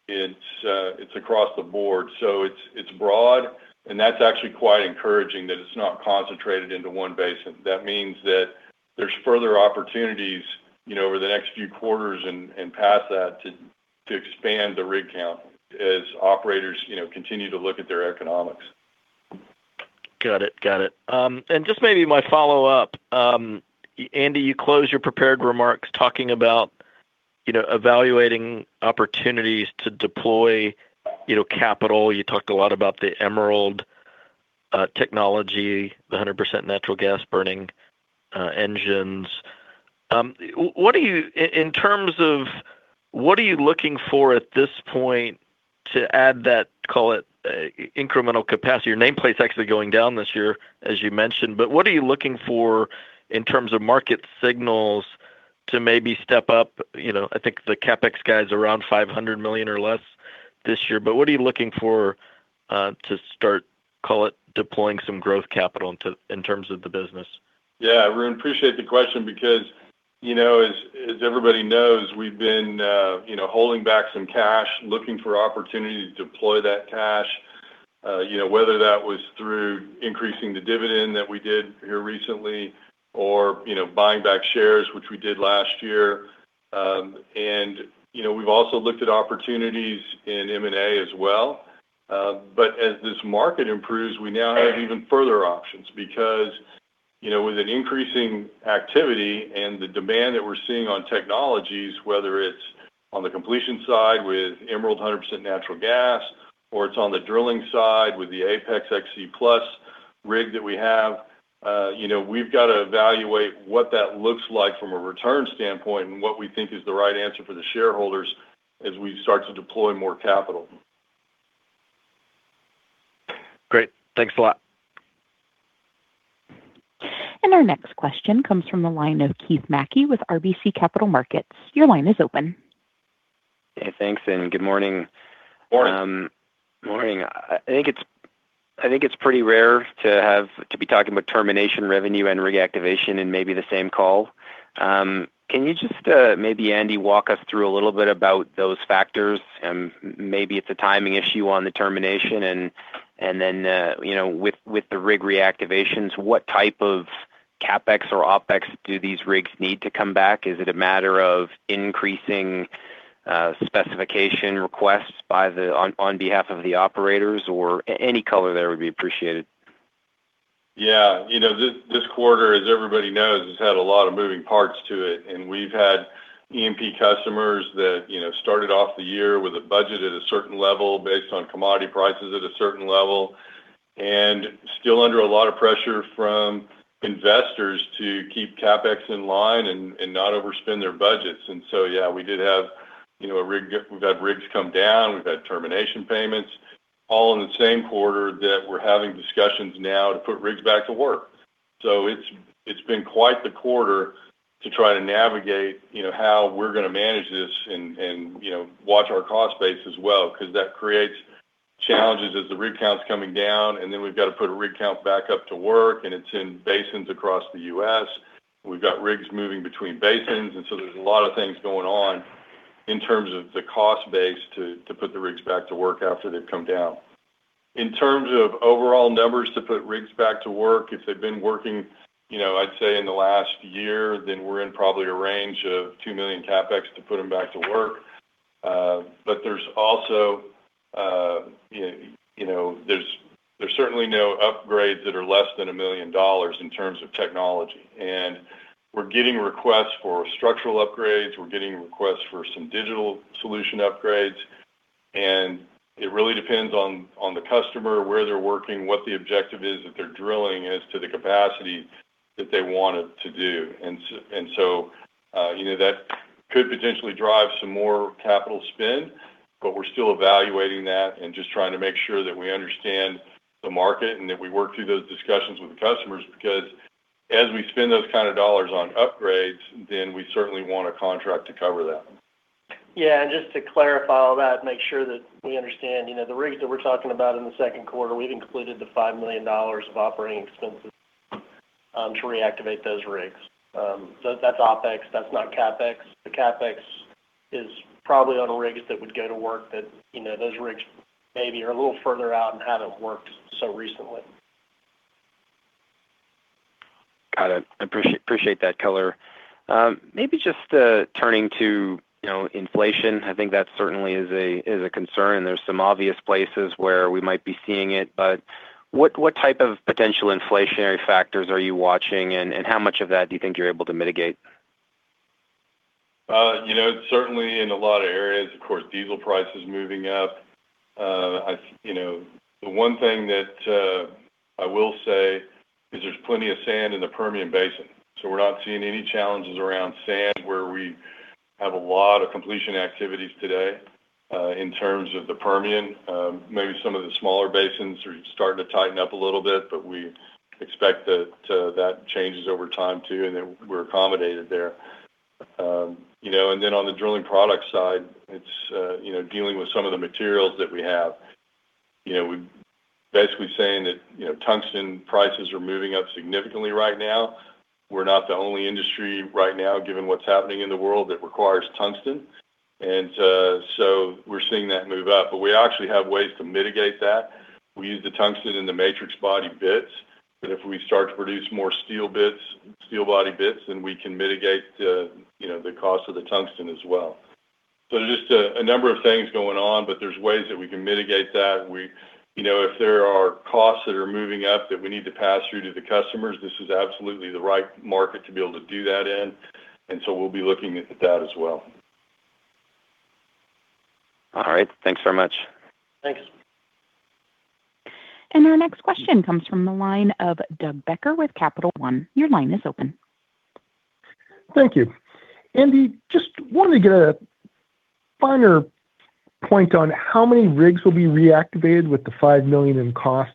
it's across the board. It's broad, and that's actually quite encouraging that it's not concentrated into one basin. That means that there's further opportunities over the next few quarters and past that to expand the rig count as operators continue to look at their economics. Got it. Just maybe my follow-up. Andy, you closed your prepared remarks talking about evaluating opportunities to deploy capital. You talked a lot about the Emerald technology, the 100% natural gas-burning engines. In terms of what are you looking for at this point to add that, call it, incremental capacity? Your nameplate's actually going down this year, as you mentioned. What are you looking for in terms of market signals to maybe step up, I think, the CapEx guide's around $500 million or less. This year. What are you looking for to start, call it, deploying some growth capital in terms of the business? Yeah. Arun, I appreciate the question because, as everybody knows, we've been holding back some cash, looking for opportunity to deploy that cash, whether that was through increasing the dividend that we did here recently or buying back shares, which we did last year. We've also looked at opportunities in M&A as well. As this market improves, we now have even further options because, with an increasing activity and the demand that we're seeing on technologies, whether it's on the completion side with Emerald 100% natural gas, or it's on the drilling side with the APEX XC+ rig that we have, we've got to evaluate what that looks like from a return standpoint and what we think is the right answer for the shareholders as we start to deploy more capital. Great. Thanks a lot. Our next question comes from the line of Keith Mackey with RBC Capital Markets. Your line is open. Hey, thanks, and good morning. Morning. Morning. I think it's pretty rare to be talking about termination revenue and rig activation in maybe the same call. Can you just, maybe Andy, walk us through a little bit about those factors? Maybe it's a timing issue on the termination and then, with the rig reactivations, what type of CapEx or OpEx do these rigs need to come back? Is it a matter of increasing specification requests on behalf of the operators? Any color there would be appreciated. Yeah. This quarter, as everybody knows, has had a lot of moving parts to it. We've had E&P customers that started off the year with a budget at a certain level based on commodity prices at a certain level, and still under a lot of pressure from investors to keep CapEx in line and not overspend their budgets. Yeah, we've had rigs come down, we've had termination payments all in the same quarter that we're having discussions now to put rigs back to work. It's been quite the quarter to try to navigate how we're going to manage this and watch our cost base as well, because that creates challenges as the rig count's coming down, and then we've got to put a rig count back up to work, and it's in basins across the U.S. We've got rigs moving between basins, and so there's a lot of things going on in terms of the cost base to put the rigs back to work after they've come down. In terms of overall numbers to put rigs back to work, if they've been working, I'd say in the last year, then we're in probably a range of $2 million CapEx to put them back to work. There's certainly no upgrades that are less than $1 million in terms of technology. We're getting requests for structural upgrades. We're getting requests for some digital solution upgrades. It really depends on the customer, where they're working, what the objective is that they're drilling is to the capacity that they want it to do. That could potentially drive some more capital spend, but we're still evaluating that and just trying to make sure that we understand the market and that we work through those discussions with the customers, because as we spend those kind of dollars on upgrades, then we certainly want a contract to cover that. Yeah. Just to clarify all that, make sure that we understand. The rigs that we're talking about in the second quarter, we've included the $5 million of operating expenses to reactivate those rigs. That's OpEx, that's not CapEx. The CapEx is probably on rigs that would go to work, those rigs maybe are a little further out and haven't worked so recently. Got it. Appreciate that color. Maybe just turning to inflation. I think that certainly is a concern, and there's some obvious places where we might be seeing it, but what type of potential inflationary factors are you watching, and how much of that do you think you're able to mitigate? Certainly in a lot of areas. Of course, diesel prices moving up. The one thing that I will say is there's plenty of sand in the Permian Basin. We're not seeing any challenges around sand where we have a lot of completion activities today, in terms of the Permian. Maybe some of the smaller basins are starting to tighten up a little bit, but we expect that changes over time too, and that we're accommodated there. On the drilling product side, it's dealing with some of the materials that we have. We're basically saying that tungsten prices are moving up significantly right now. We're not the only industry right now, given what's happening in the world, that requires tungsten. We're seeing that move up, but we actually have ways to mitigate that. We use the tungsten in the matrix body bits, but if we start to produce more steel body bits, then we can mitigate the cost of the tungsten as well. Just a number of things going on, but there's ways that we can mitigate that. If there are costs that are moving up that we need to pass through to the customers, this is absolutely the right market to be able to do that in. We'll be looking at that as well. All right. Thanks very much. Thanks. Our next question comes from the line of Doug Becker with Capital One. Your line is open. Thank you. Andy, just wanted to get a finer point on how many rigs will be reactivated with the $5 million in costs.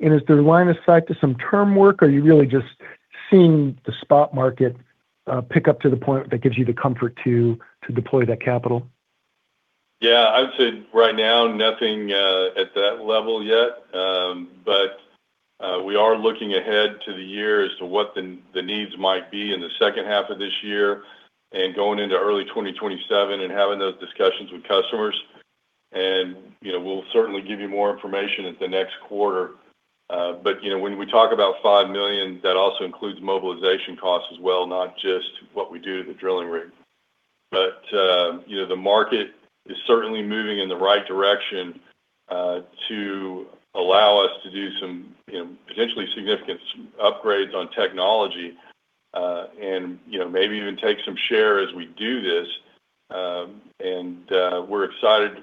Is there line of sight to some term work, or you really just Seeing the spot market pick up to the point that gives you the comfort to deploy that capital? Yeah, I would say right now, nothing at that level yet. We are looking ahead to the year as to what the needs might be in the H2 of this year and going into early 2027 and having those discussions with customers. We'll certainly give you more information at the next quarter. When we talk about $5 million, that also includes mobilization costs as well, not just what we do to the drilling rig. The market is certainly moving in the right direction to allow us to do some potentially significant upgrades on technology, and maybe even take some share as we do this. We're excited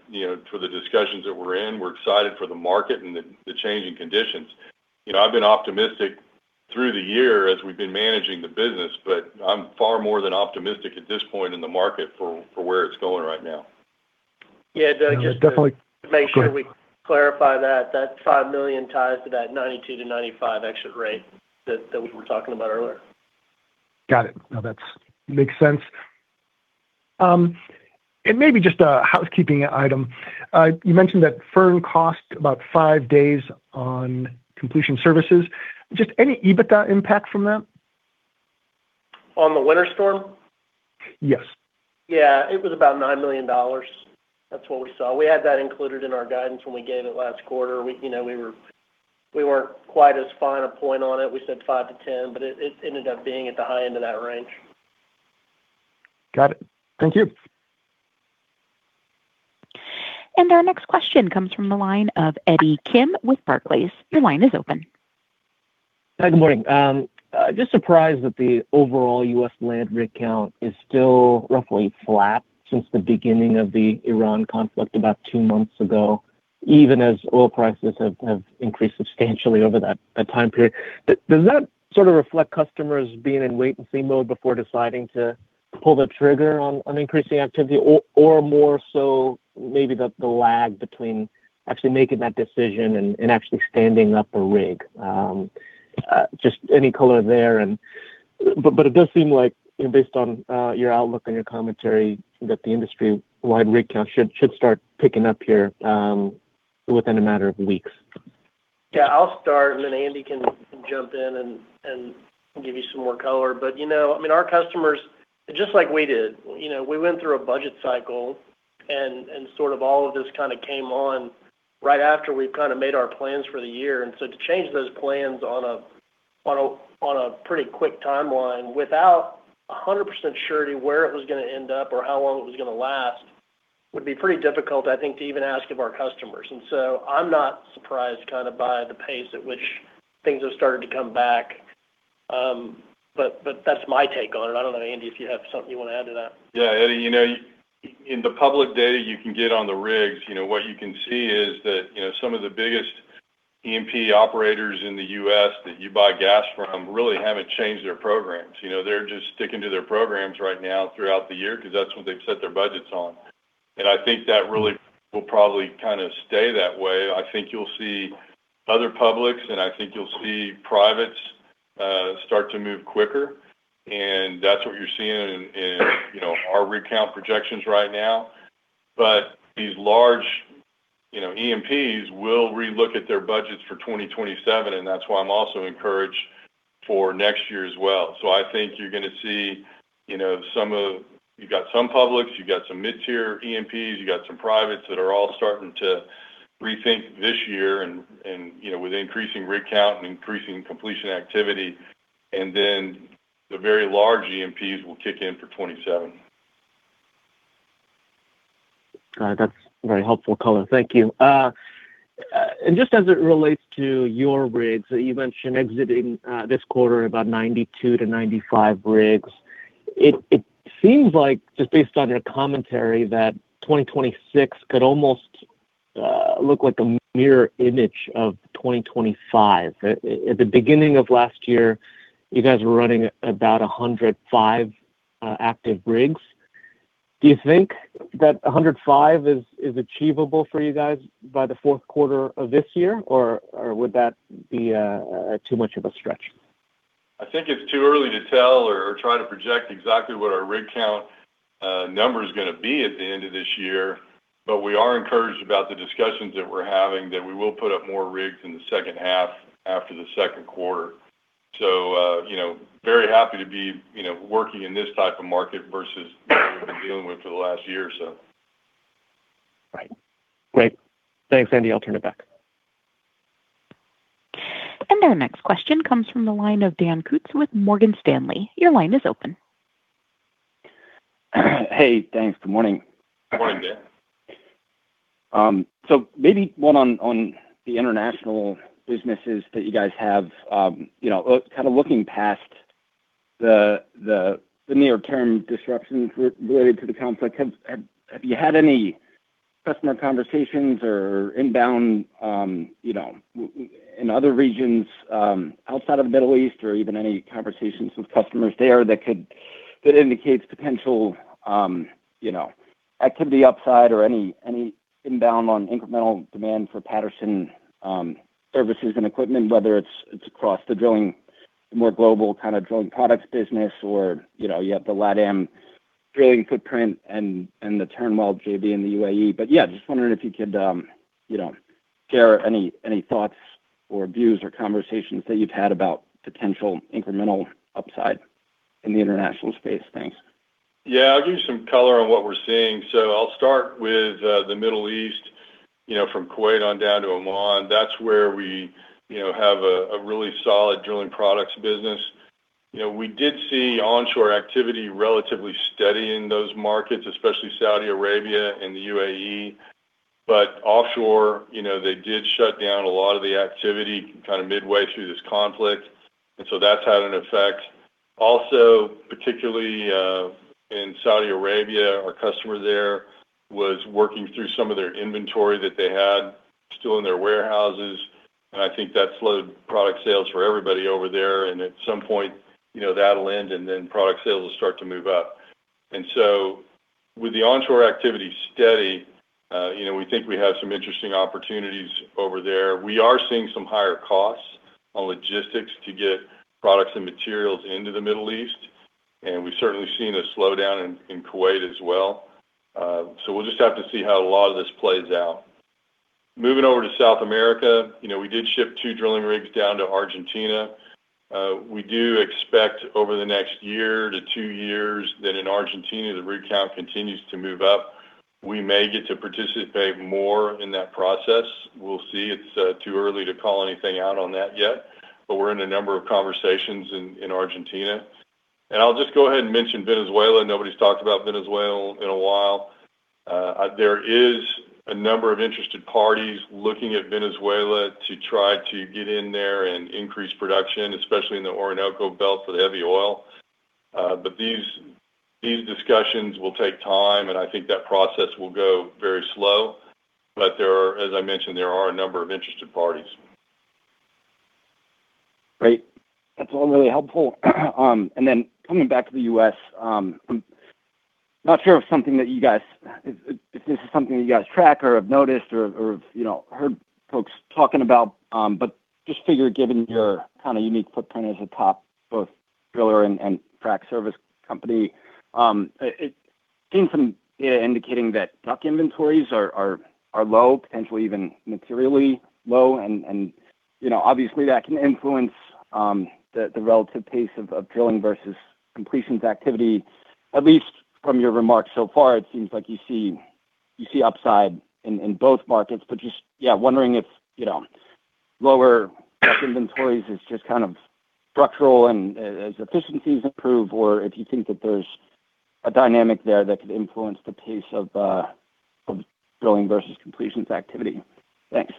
for the discussions that we're in. We're excited for the market and the changing conditions. I've been optimistic through the year as we've been managing the business, but I'm far more than optimistic at this point in the market for where it's going right now. Yeah. Definitely. Just to make sure we clarify that $5 million ties to that 92-95 exit rate that we were talking about earlier. Got it. No, that makes sense. Maybe just a housekeeping item. You mentioned that Fern cost about five days on completion services. Just any EBITDA impact from that? On the winter storm? Yes. Yeah. It was about $9 million. That's what we saw. We had that included in our guidance when we gave it last quarter. We weren't quite as fine a point on it. We said $5 million-$10 million, but it ended up being at the high end of that range. Got it. Thank you. Our next question comes from the line of Eddie Kim with Barclays. Your line is open. Hi, good morning. Just surprised that the overall U.S. land rig count is still roughly flat since the beginning of the Iran conflict about two months ago, even as oil prices have increased substantially over that time period. Does that sort of reflect customers being in wait and see mode before deciding to pull the trigger on increasing activity, or more so maybe the lag between actually making that decision and actually standing up a rig? Just any color there. It does seem like, based on your outlook and your commentary, that the industry-wide rig count should start picking up here within a matter of weeks. Yeah, I'll start and then Andy can jump in and give you some more color. Our customers, just like we did, we went through a budget cycle and sort of all of this kind of came on right after we've kind of made our plans for the year. To change those plans on a pretty quick timeline without 100% surety where it was gonna end up or how long it was gonna last, would be pretty difficult, I think, to even ask of our customers. I'm not surprised kind of by the pace at which things have started to come back. That's my take on it. I don't know, Andy, if you have something you want to add to that. Yeah. Eddie, in the public data you can get on the rigs, what you can see is that some of the biggest E&P operators in the U.S. that you buy gas from really haven't changed their programs. They're just sticking to their programs right now throughout the year because that's what they've set their budgets on. I think that really will probably kind of stay that way. I think you'll see other publics, and I think you'll see privates start to move quicker, and that's what you're seeing in our rig count projections right now. These large E&Ps will re-look at their budgets for 2027, and that's why I'm also encouraged for next year as well. I think you're gonna see you've got some publics, you've got some mid-tier E&Ps, you got some privates that are all starting to rethink this year and with increasing rig count and increasing completion activity, and then the very large E&Ps will kick in for 2027. All right. That's very helpful color. Thank you. Just as it relates to your rigs, you mentioned exiting this quarter about 92-95 rigs. It seems like, just based on your commentary, that 2026 could almost look like a mirror image of 2025. At the beginning of last year, you guys were running about 105 active rigs. Do you think that 105 is achievable for you guys by the fourth quarter of this year? Or would that be too much of a stretch? I think it's too early to tell or try to project exactly what our rig count number's gonna be at the end of this year. We are encouraged about the discussions that we're having, that we will put up more rigs in the H2 after the second quarter. Very happy to be working in this type of market versus what we've been dealing with for the last year or so. Right. Great. Thanks, Andy. I'll turn it back. Our next question comes from the line of Dan Kutz with Morgan Stanley. Your line is open. Hey, thanks. Good morning. Morning, Dan. Maybe one on the international businesses that you guys have. Kind of looking past the near-term disruptions related to the conflict. Have you had any customer conversations or inbound in other regions outside of the Middle East or even any conversations with customers there that could indicate potential activity upside or any inbound on incremental demand for Patterson services and equipment, whether it's across the more global kind of drilling products business or you have the LATAM drilling footprint and the Turnwell JV in the UAE. Yeah, just wondering if you could share any thoughts or views or conversations that you've had about potential incremental upside in the international space. Thanks. Yeah. I'll give you some color on what we're seeing. I'll start with the Middle East from Kuwait on down to Oman. That's where we have a really solid drilling products business. We did see onshore activity relatively steady in those markets, especially Saudi Arabia and the UAE. Offshore, they did shut down a lot of the activity kind of midway through this conflict. That's had an effect. Also, particularly, in Saudi Arabia, our customer there was working through some of their inventory that they had still in their warehouses. I think that slowed product sales for everybody over there. At some point, that'll end, and then product sales will start to move up. With the onshore activity steady, we think we have some interesting opportunities over there. We are seeing some higher costs on logistics to get products and materials into the Middle East, and we've certainly seen a slowdown in Kuwait as well. We'll just have to see how a lot of this plays out. Moving over to South America, we did ship two drilling rigs down to Argentina. We do expect over the next one year to two years that in Argentina, the rig count continues to move up. We may get to participate more in that process. We'll see. It's too early to call anything out on that yet. We're in a number of conversations in Argentina. I'll just go ahead and mention Venezuela. Nobody's talked about Venezuela in a while. There is a number of interested parties looking at Venezuela to try to get in there and increase production, especially in the Orinoco Belt for the heavy oil. These discussions will take time, and I think that process will go very slow. As I mentioned, there are a number of interested parties. Great. That's all really helpful. Then coming back to the U.S., I'm not sure if this is something that you guys track or have noticed or have heard folks talking about, but just figure given your kind of unique footprint as a top both driller and frac service company, seeing some indicating that DUCs inventories are low, potentially even materially low, and obviously, that can influence the relative pace of drilling versus completions activity. At least from your remarks so far, it seems like you see upside in both markets, but just, yeah, wondering if lower DUCs inventories is just kind of structural and as efficiencies improve, or if you think that there's a dynamic there that could influence the pace of drilling versus completions activity. Thanks.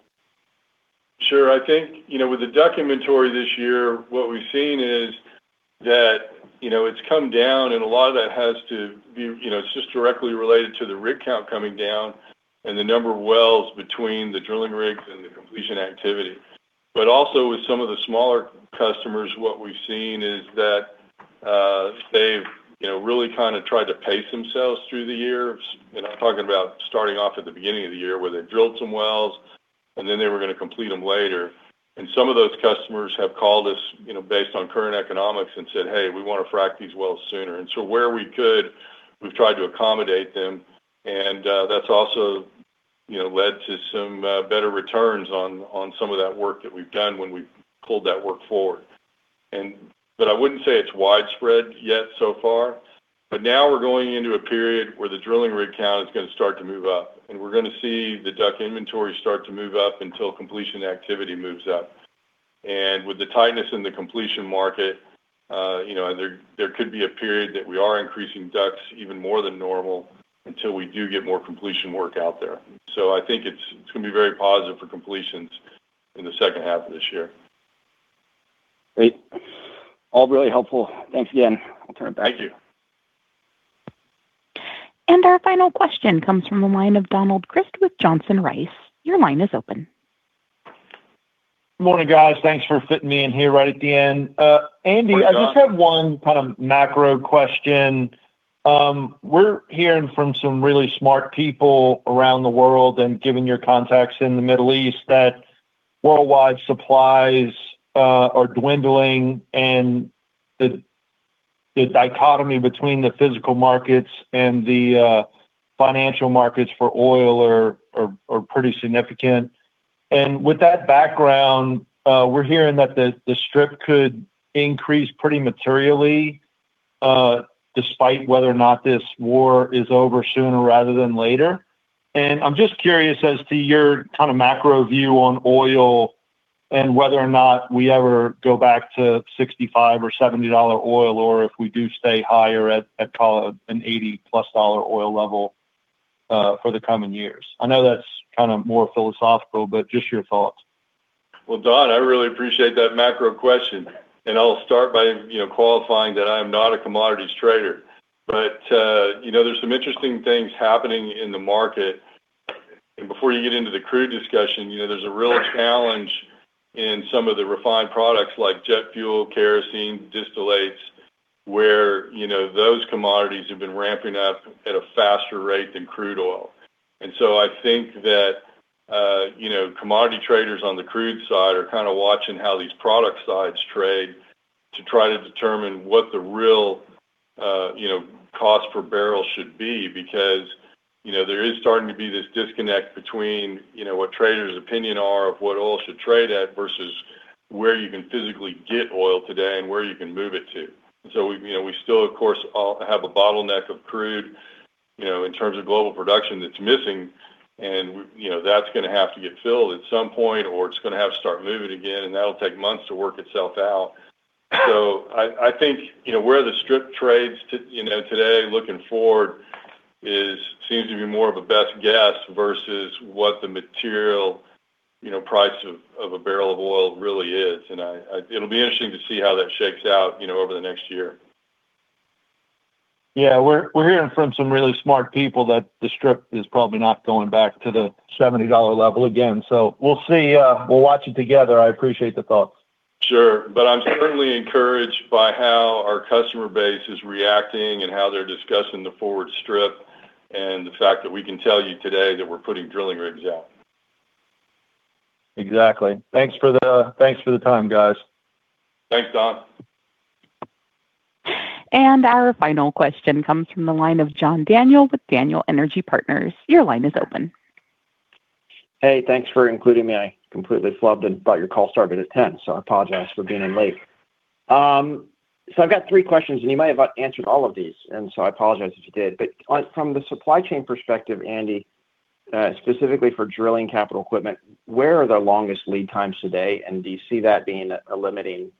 Sure. I think, with the DUC inventory this year, what we've seen is that it's come down, and a lot of that is just directly related to the rig count coming down and the number of wells between the drilling rigs and the completion activity. With some of the smaller customers, what we've seen is that they've really kind of tried to pace themselves through the year. I'm talking about starting off at the beginning of the year where they drilled some wells and then they were going to complete them later. Some of those customers have called us based on current economics and said, "Hey, we want to frack these wells sooner." Where we could, we've tried to accommodate them. That's also led to some better returns on some of that work that we've done when we've pulled that work forward. I wouldn't say it's widespread yet so far. Now we're going into a period where the drilling rig count is going to start to move up. We're going to see the DUC inventory start to move up until completion activity moves up. With the tightness in the completion market, there could be a period that we are increasing DUCs even more than normal until we do get more completion work out there. I think it's going to be very positive for completions in the H2 of this year. Great. All really helpful. Thanks again. I'll turn it back. Thank you. Our final question comes from the line of Don Crist with Johnson Rice. Your line is open. Good morning, guys. Thanks for fitting me in here right at the end. Hi, Don. Andy, I just have one kind of macro question. We're hearing from some really smart people around the world, and given your contacts in the Middle East, that worldwide supplies are dwindling and the dichotomy between the physical markets and the financial markets for oil are pretty significant. With that background, we're hearing that the strip could increase pretty materially, despite whether or not this war is over sooner rather than later. I'm just curious as to your kind of macro view on oil and whether or not we ever go back to $65 or $70 oil, or if we do stay higher at call it an $80+ oil level for the coming years. I know that's kind of more philosophical, but just your thoughts. Well, Don, I really appreciate that macro question. I'll start by qualifying that I am not a commodities trader. There's some interesting things happening in the market. Before you get into the crude discussion, there's a real challenge in some of the refined products like jet fuel, kerosene, distillates, where those commodities have been ramping up at a faster rate than crude oil. I think that commodity traders on the crude side are kind of watching how these product sides trade to try to determine what the real cost per barrel should be. Because there is starting to be this disconnect between what traders' opinion are of what oil should trade at versus where you can physically get oil today and where you can move it to. We still, of course, have a bottleneck of crude, in terms of global production that's missing. That's going to have to get filled at some point, or it's going to have to start moving again, and that'll take months to work itself out. So I think where the strip trades today, looking forward, seems to be more of a best guess versus what the material price of a barrel of oil really is. It'll be interesting to see how that shakes out over the next year. Yeah. We're hearing from some really smart people that the strip is probably not going back to the $70 level again. We'll see. We'll watch it together. I appreciate the thoughts. Sure. I'm certainly encouraged by how our customer base is reacting and how they're discussing the forward strip, and the fact that we can tell you today that we're putting drilling rigs out. Exactly. Thanks for the time, guys. Thanks, Don. Our final question comes from the line of John Daniel with Daniel Energy Partners. Your line is open. Hey, thanks for including me. I completely flubbed and thought your call started at 10:00 A.M., so I apologize for being late. I've got three questions, and you might have answered all of these, and so I apologize if you did. From the supply chain perspective, Andy, specifically for drilling capital equipment, where are the longest lead times today? And do you see that being a limiting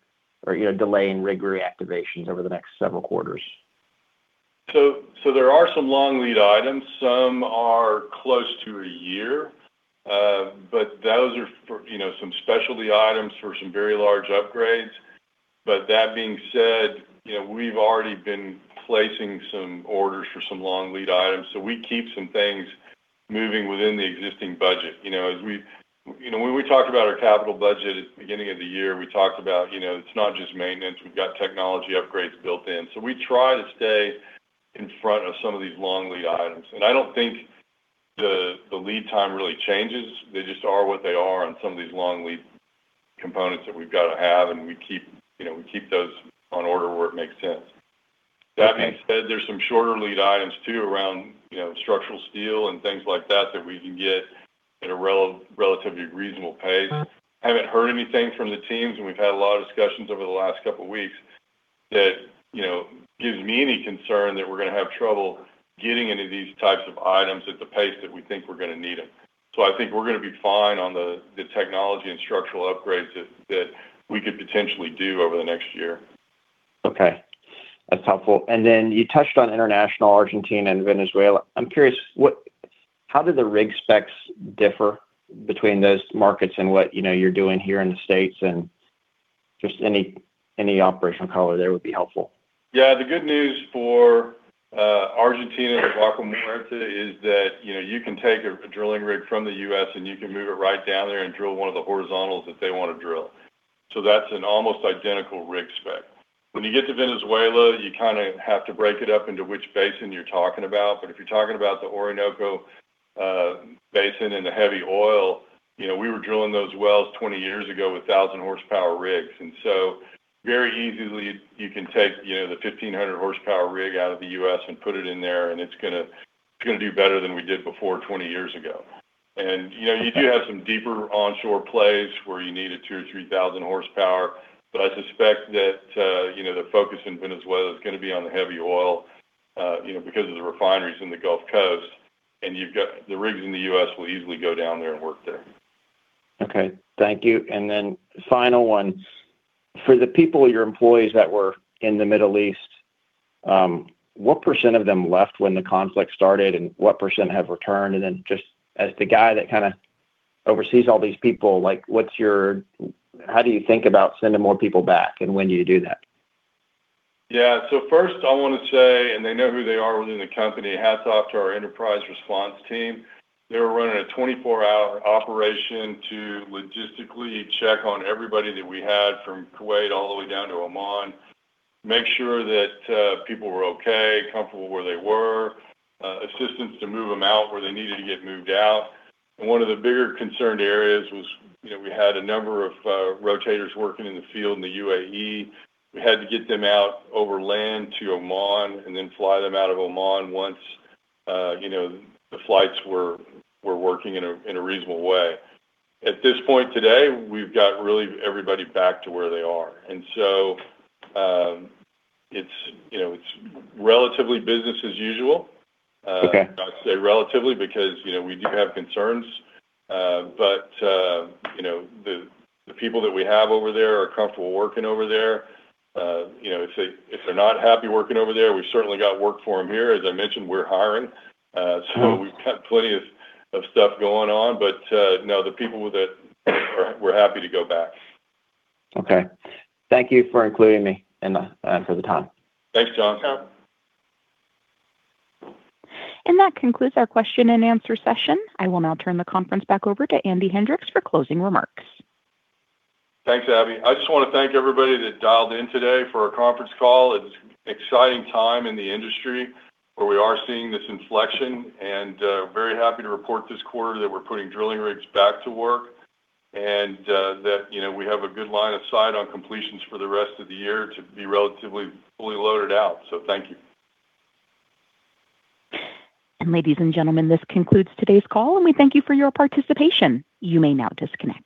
or delaying rig reactivations over the next several quarters? There are some long lead items. Some are close to a year. Those are some specialty items for some very large upgrades. That being said, we've already been placing some orders for some long lead items. We keep some things moving within the existing budget. When we talked about our capital budget at the beginning of the year, we talked about it's not just maintenance. We've got technology upgrades built in. We try to stay in front of some of these long lead items. I don't think the lead time really changes. They just are what they are on some of these long lead components that we've got to have, and we keep those on order where it makes sense. Okay. That being said, there's some shorter lead items too, around structural steel and things like that we can get at a relatively reasonable pace. I haven't heard anything from the teams, and we've had a lot of discussions over the last couple of weeks that gives me any concern that we're going to have trouble getting any of these types of items at the pace that we think we're going to need them. I think we're going to be fine on the technology and structural upgrades that we could potentially do over the next year. Okay. That's helpful. You touched on international Argentina and Venezuela. I'm curious, how do the rig specs differ between those markets and what you're doing here in the States? Just any operational color there would be helpful. Yeah, the good news for Argentina and Vaca Muerta is that you can take a drilling rig from the U.S. and you can move it right down there and drill one of the horizontals that they want to drill. That's an almost identical rig spec. When you get to Venezuela, you kind of have to break it up into which basin you're talking about. If you're talking about the Orinoco Basin and the heavy oil, we were drilling those wells 20 years ago with 1,000 horsepower rigs. Very easily you can take the 1,500 horsepower rig out of the U.S. and put it in there, and it's going to do better than we did before 20 years ago. You do have some deeper onshore plays where you need a 2,000 or 3,000 horsepower. I suspect that the focus in Venezuela is going to be on the heavy oil, because of the refineries in the Gulf Coast. The rigs in the U.S. will easily go down there and work there. Okay. Thank you. Final one. For the people, your employees that were in the Middle East, what percent of them left when the conflict started and what percent have returned? Just as the guy that kind of oversees all these people, how do you think about sending more people back, and when do you do that? Yeah. First I want to say, and they know who they are within the company, hats off to our enterprise response team. They were running a 24-hour operation to logistically check on everybody that we had from Kuwait all the way down to Oman, make sure that people were okay, comfortable where they were, assistance to move them out where they needed to get moved out. One of the bigger concerned areas was we had a number of rotators working in the field in the UAE. We had to get them out over land to Oman and then fly them out of Oman once the flights were working in a reasonable way. At this point today, we've got really everybody back to where they are. It's relatively business as usual. Okay. I say relatively because we do have concerns. The people that we have over there are comfortable working over there. If they're not happy working over there, we've certainly got work for them here. As I mentioned, we're hiring. We've got plenty of stuff going on. No, the people with it were happy to go back. Okay. Thank you for including me and for the time. Thanks, John. That concludes our question and answer session. I will now turn the conference back over to Andy Hendricks for closing remarks. Thanks, Abby. I just want to thank everybody that dialed in today for our conference call. It's an exciting time in the industry where we are seeing this inflection, and very happy to report this quarter that we're putting drilling rigs back to work, and that we have a good line of sight on completions for the rest of the year to be relatively fully loaded out. Thank you. Ladies and gentlemen, this concludes today's call, and we thank you for your participation. You may now disconnect.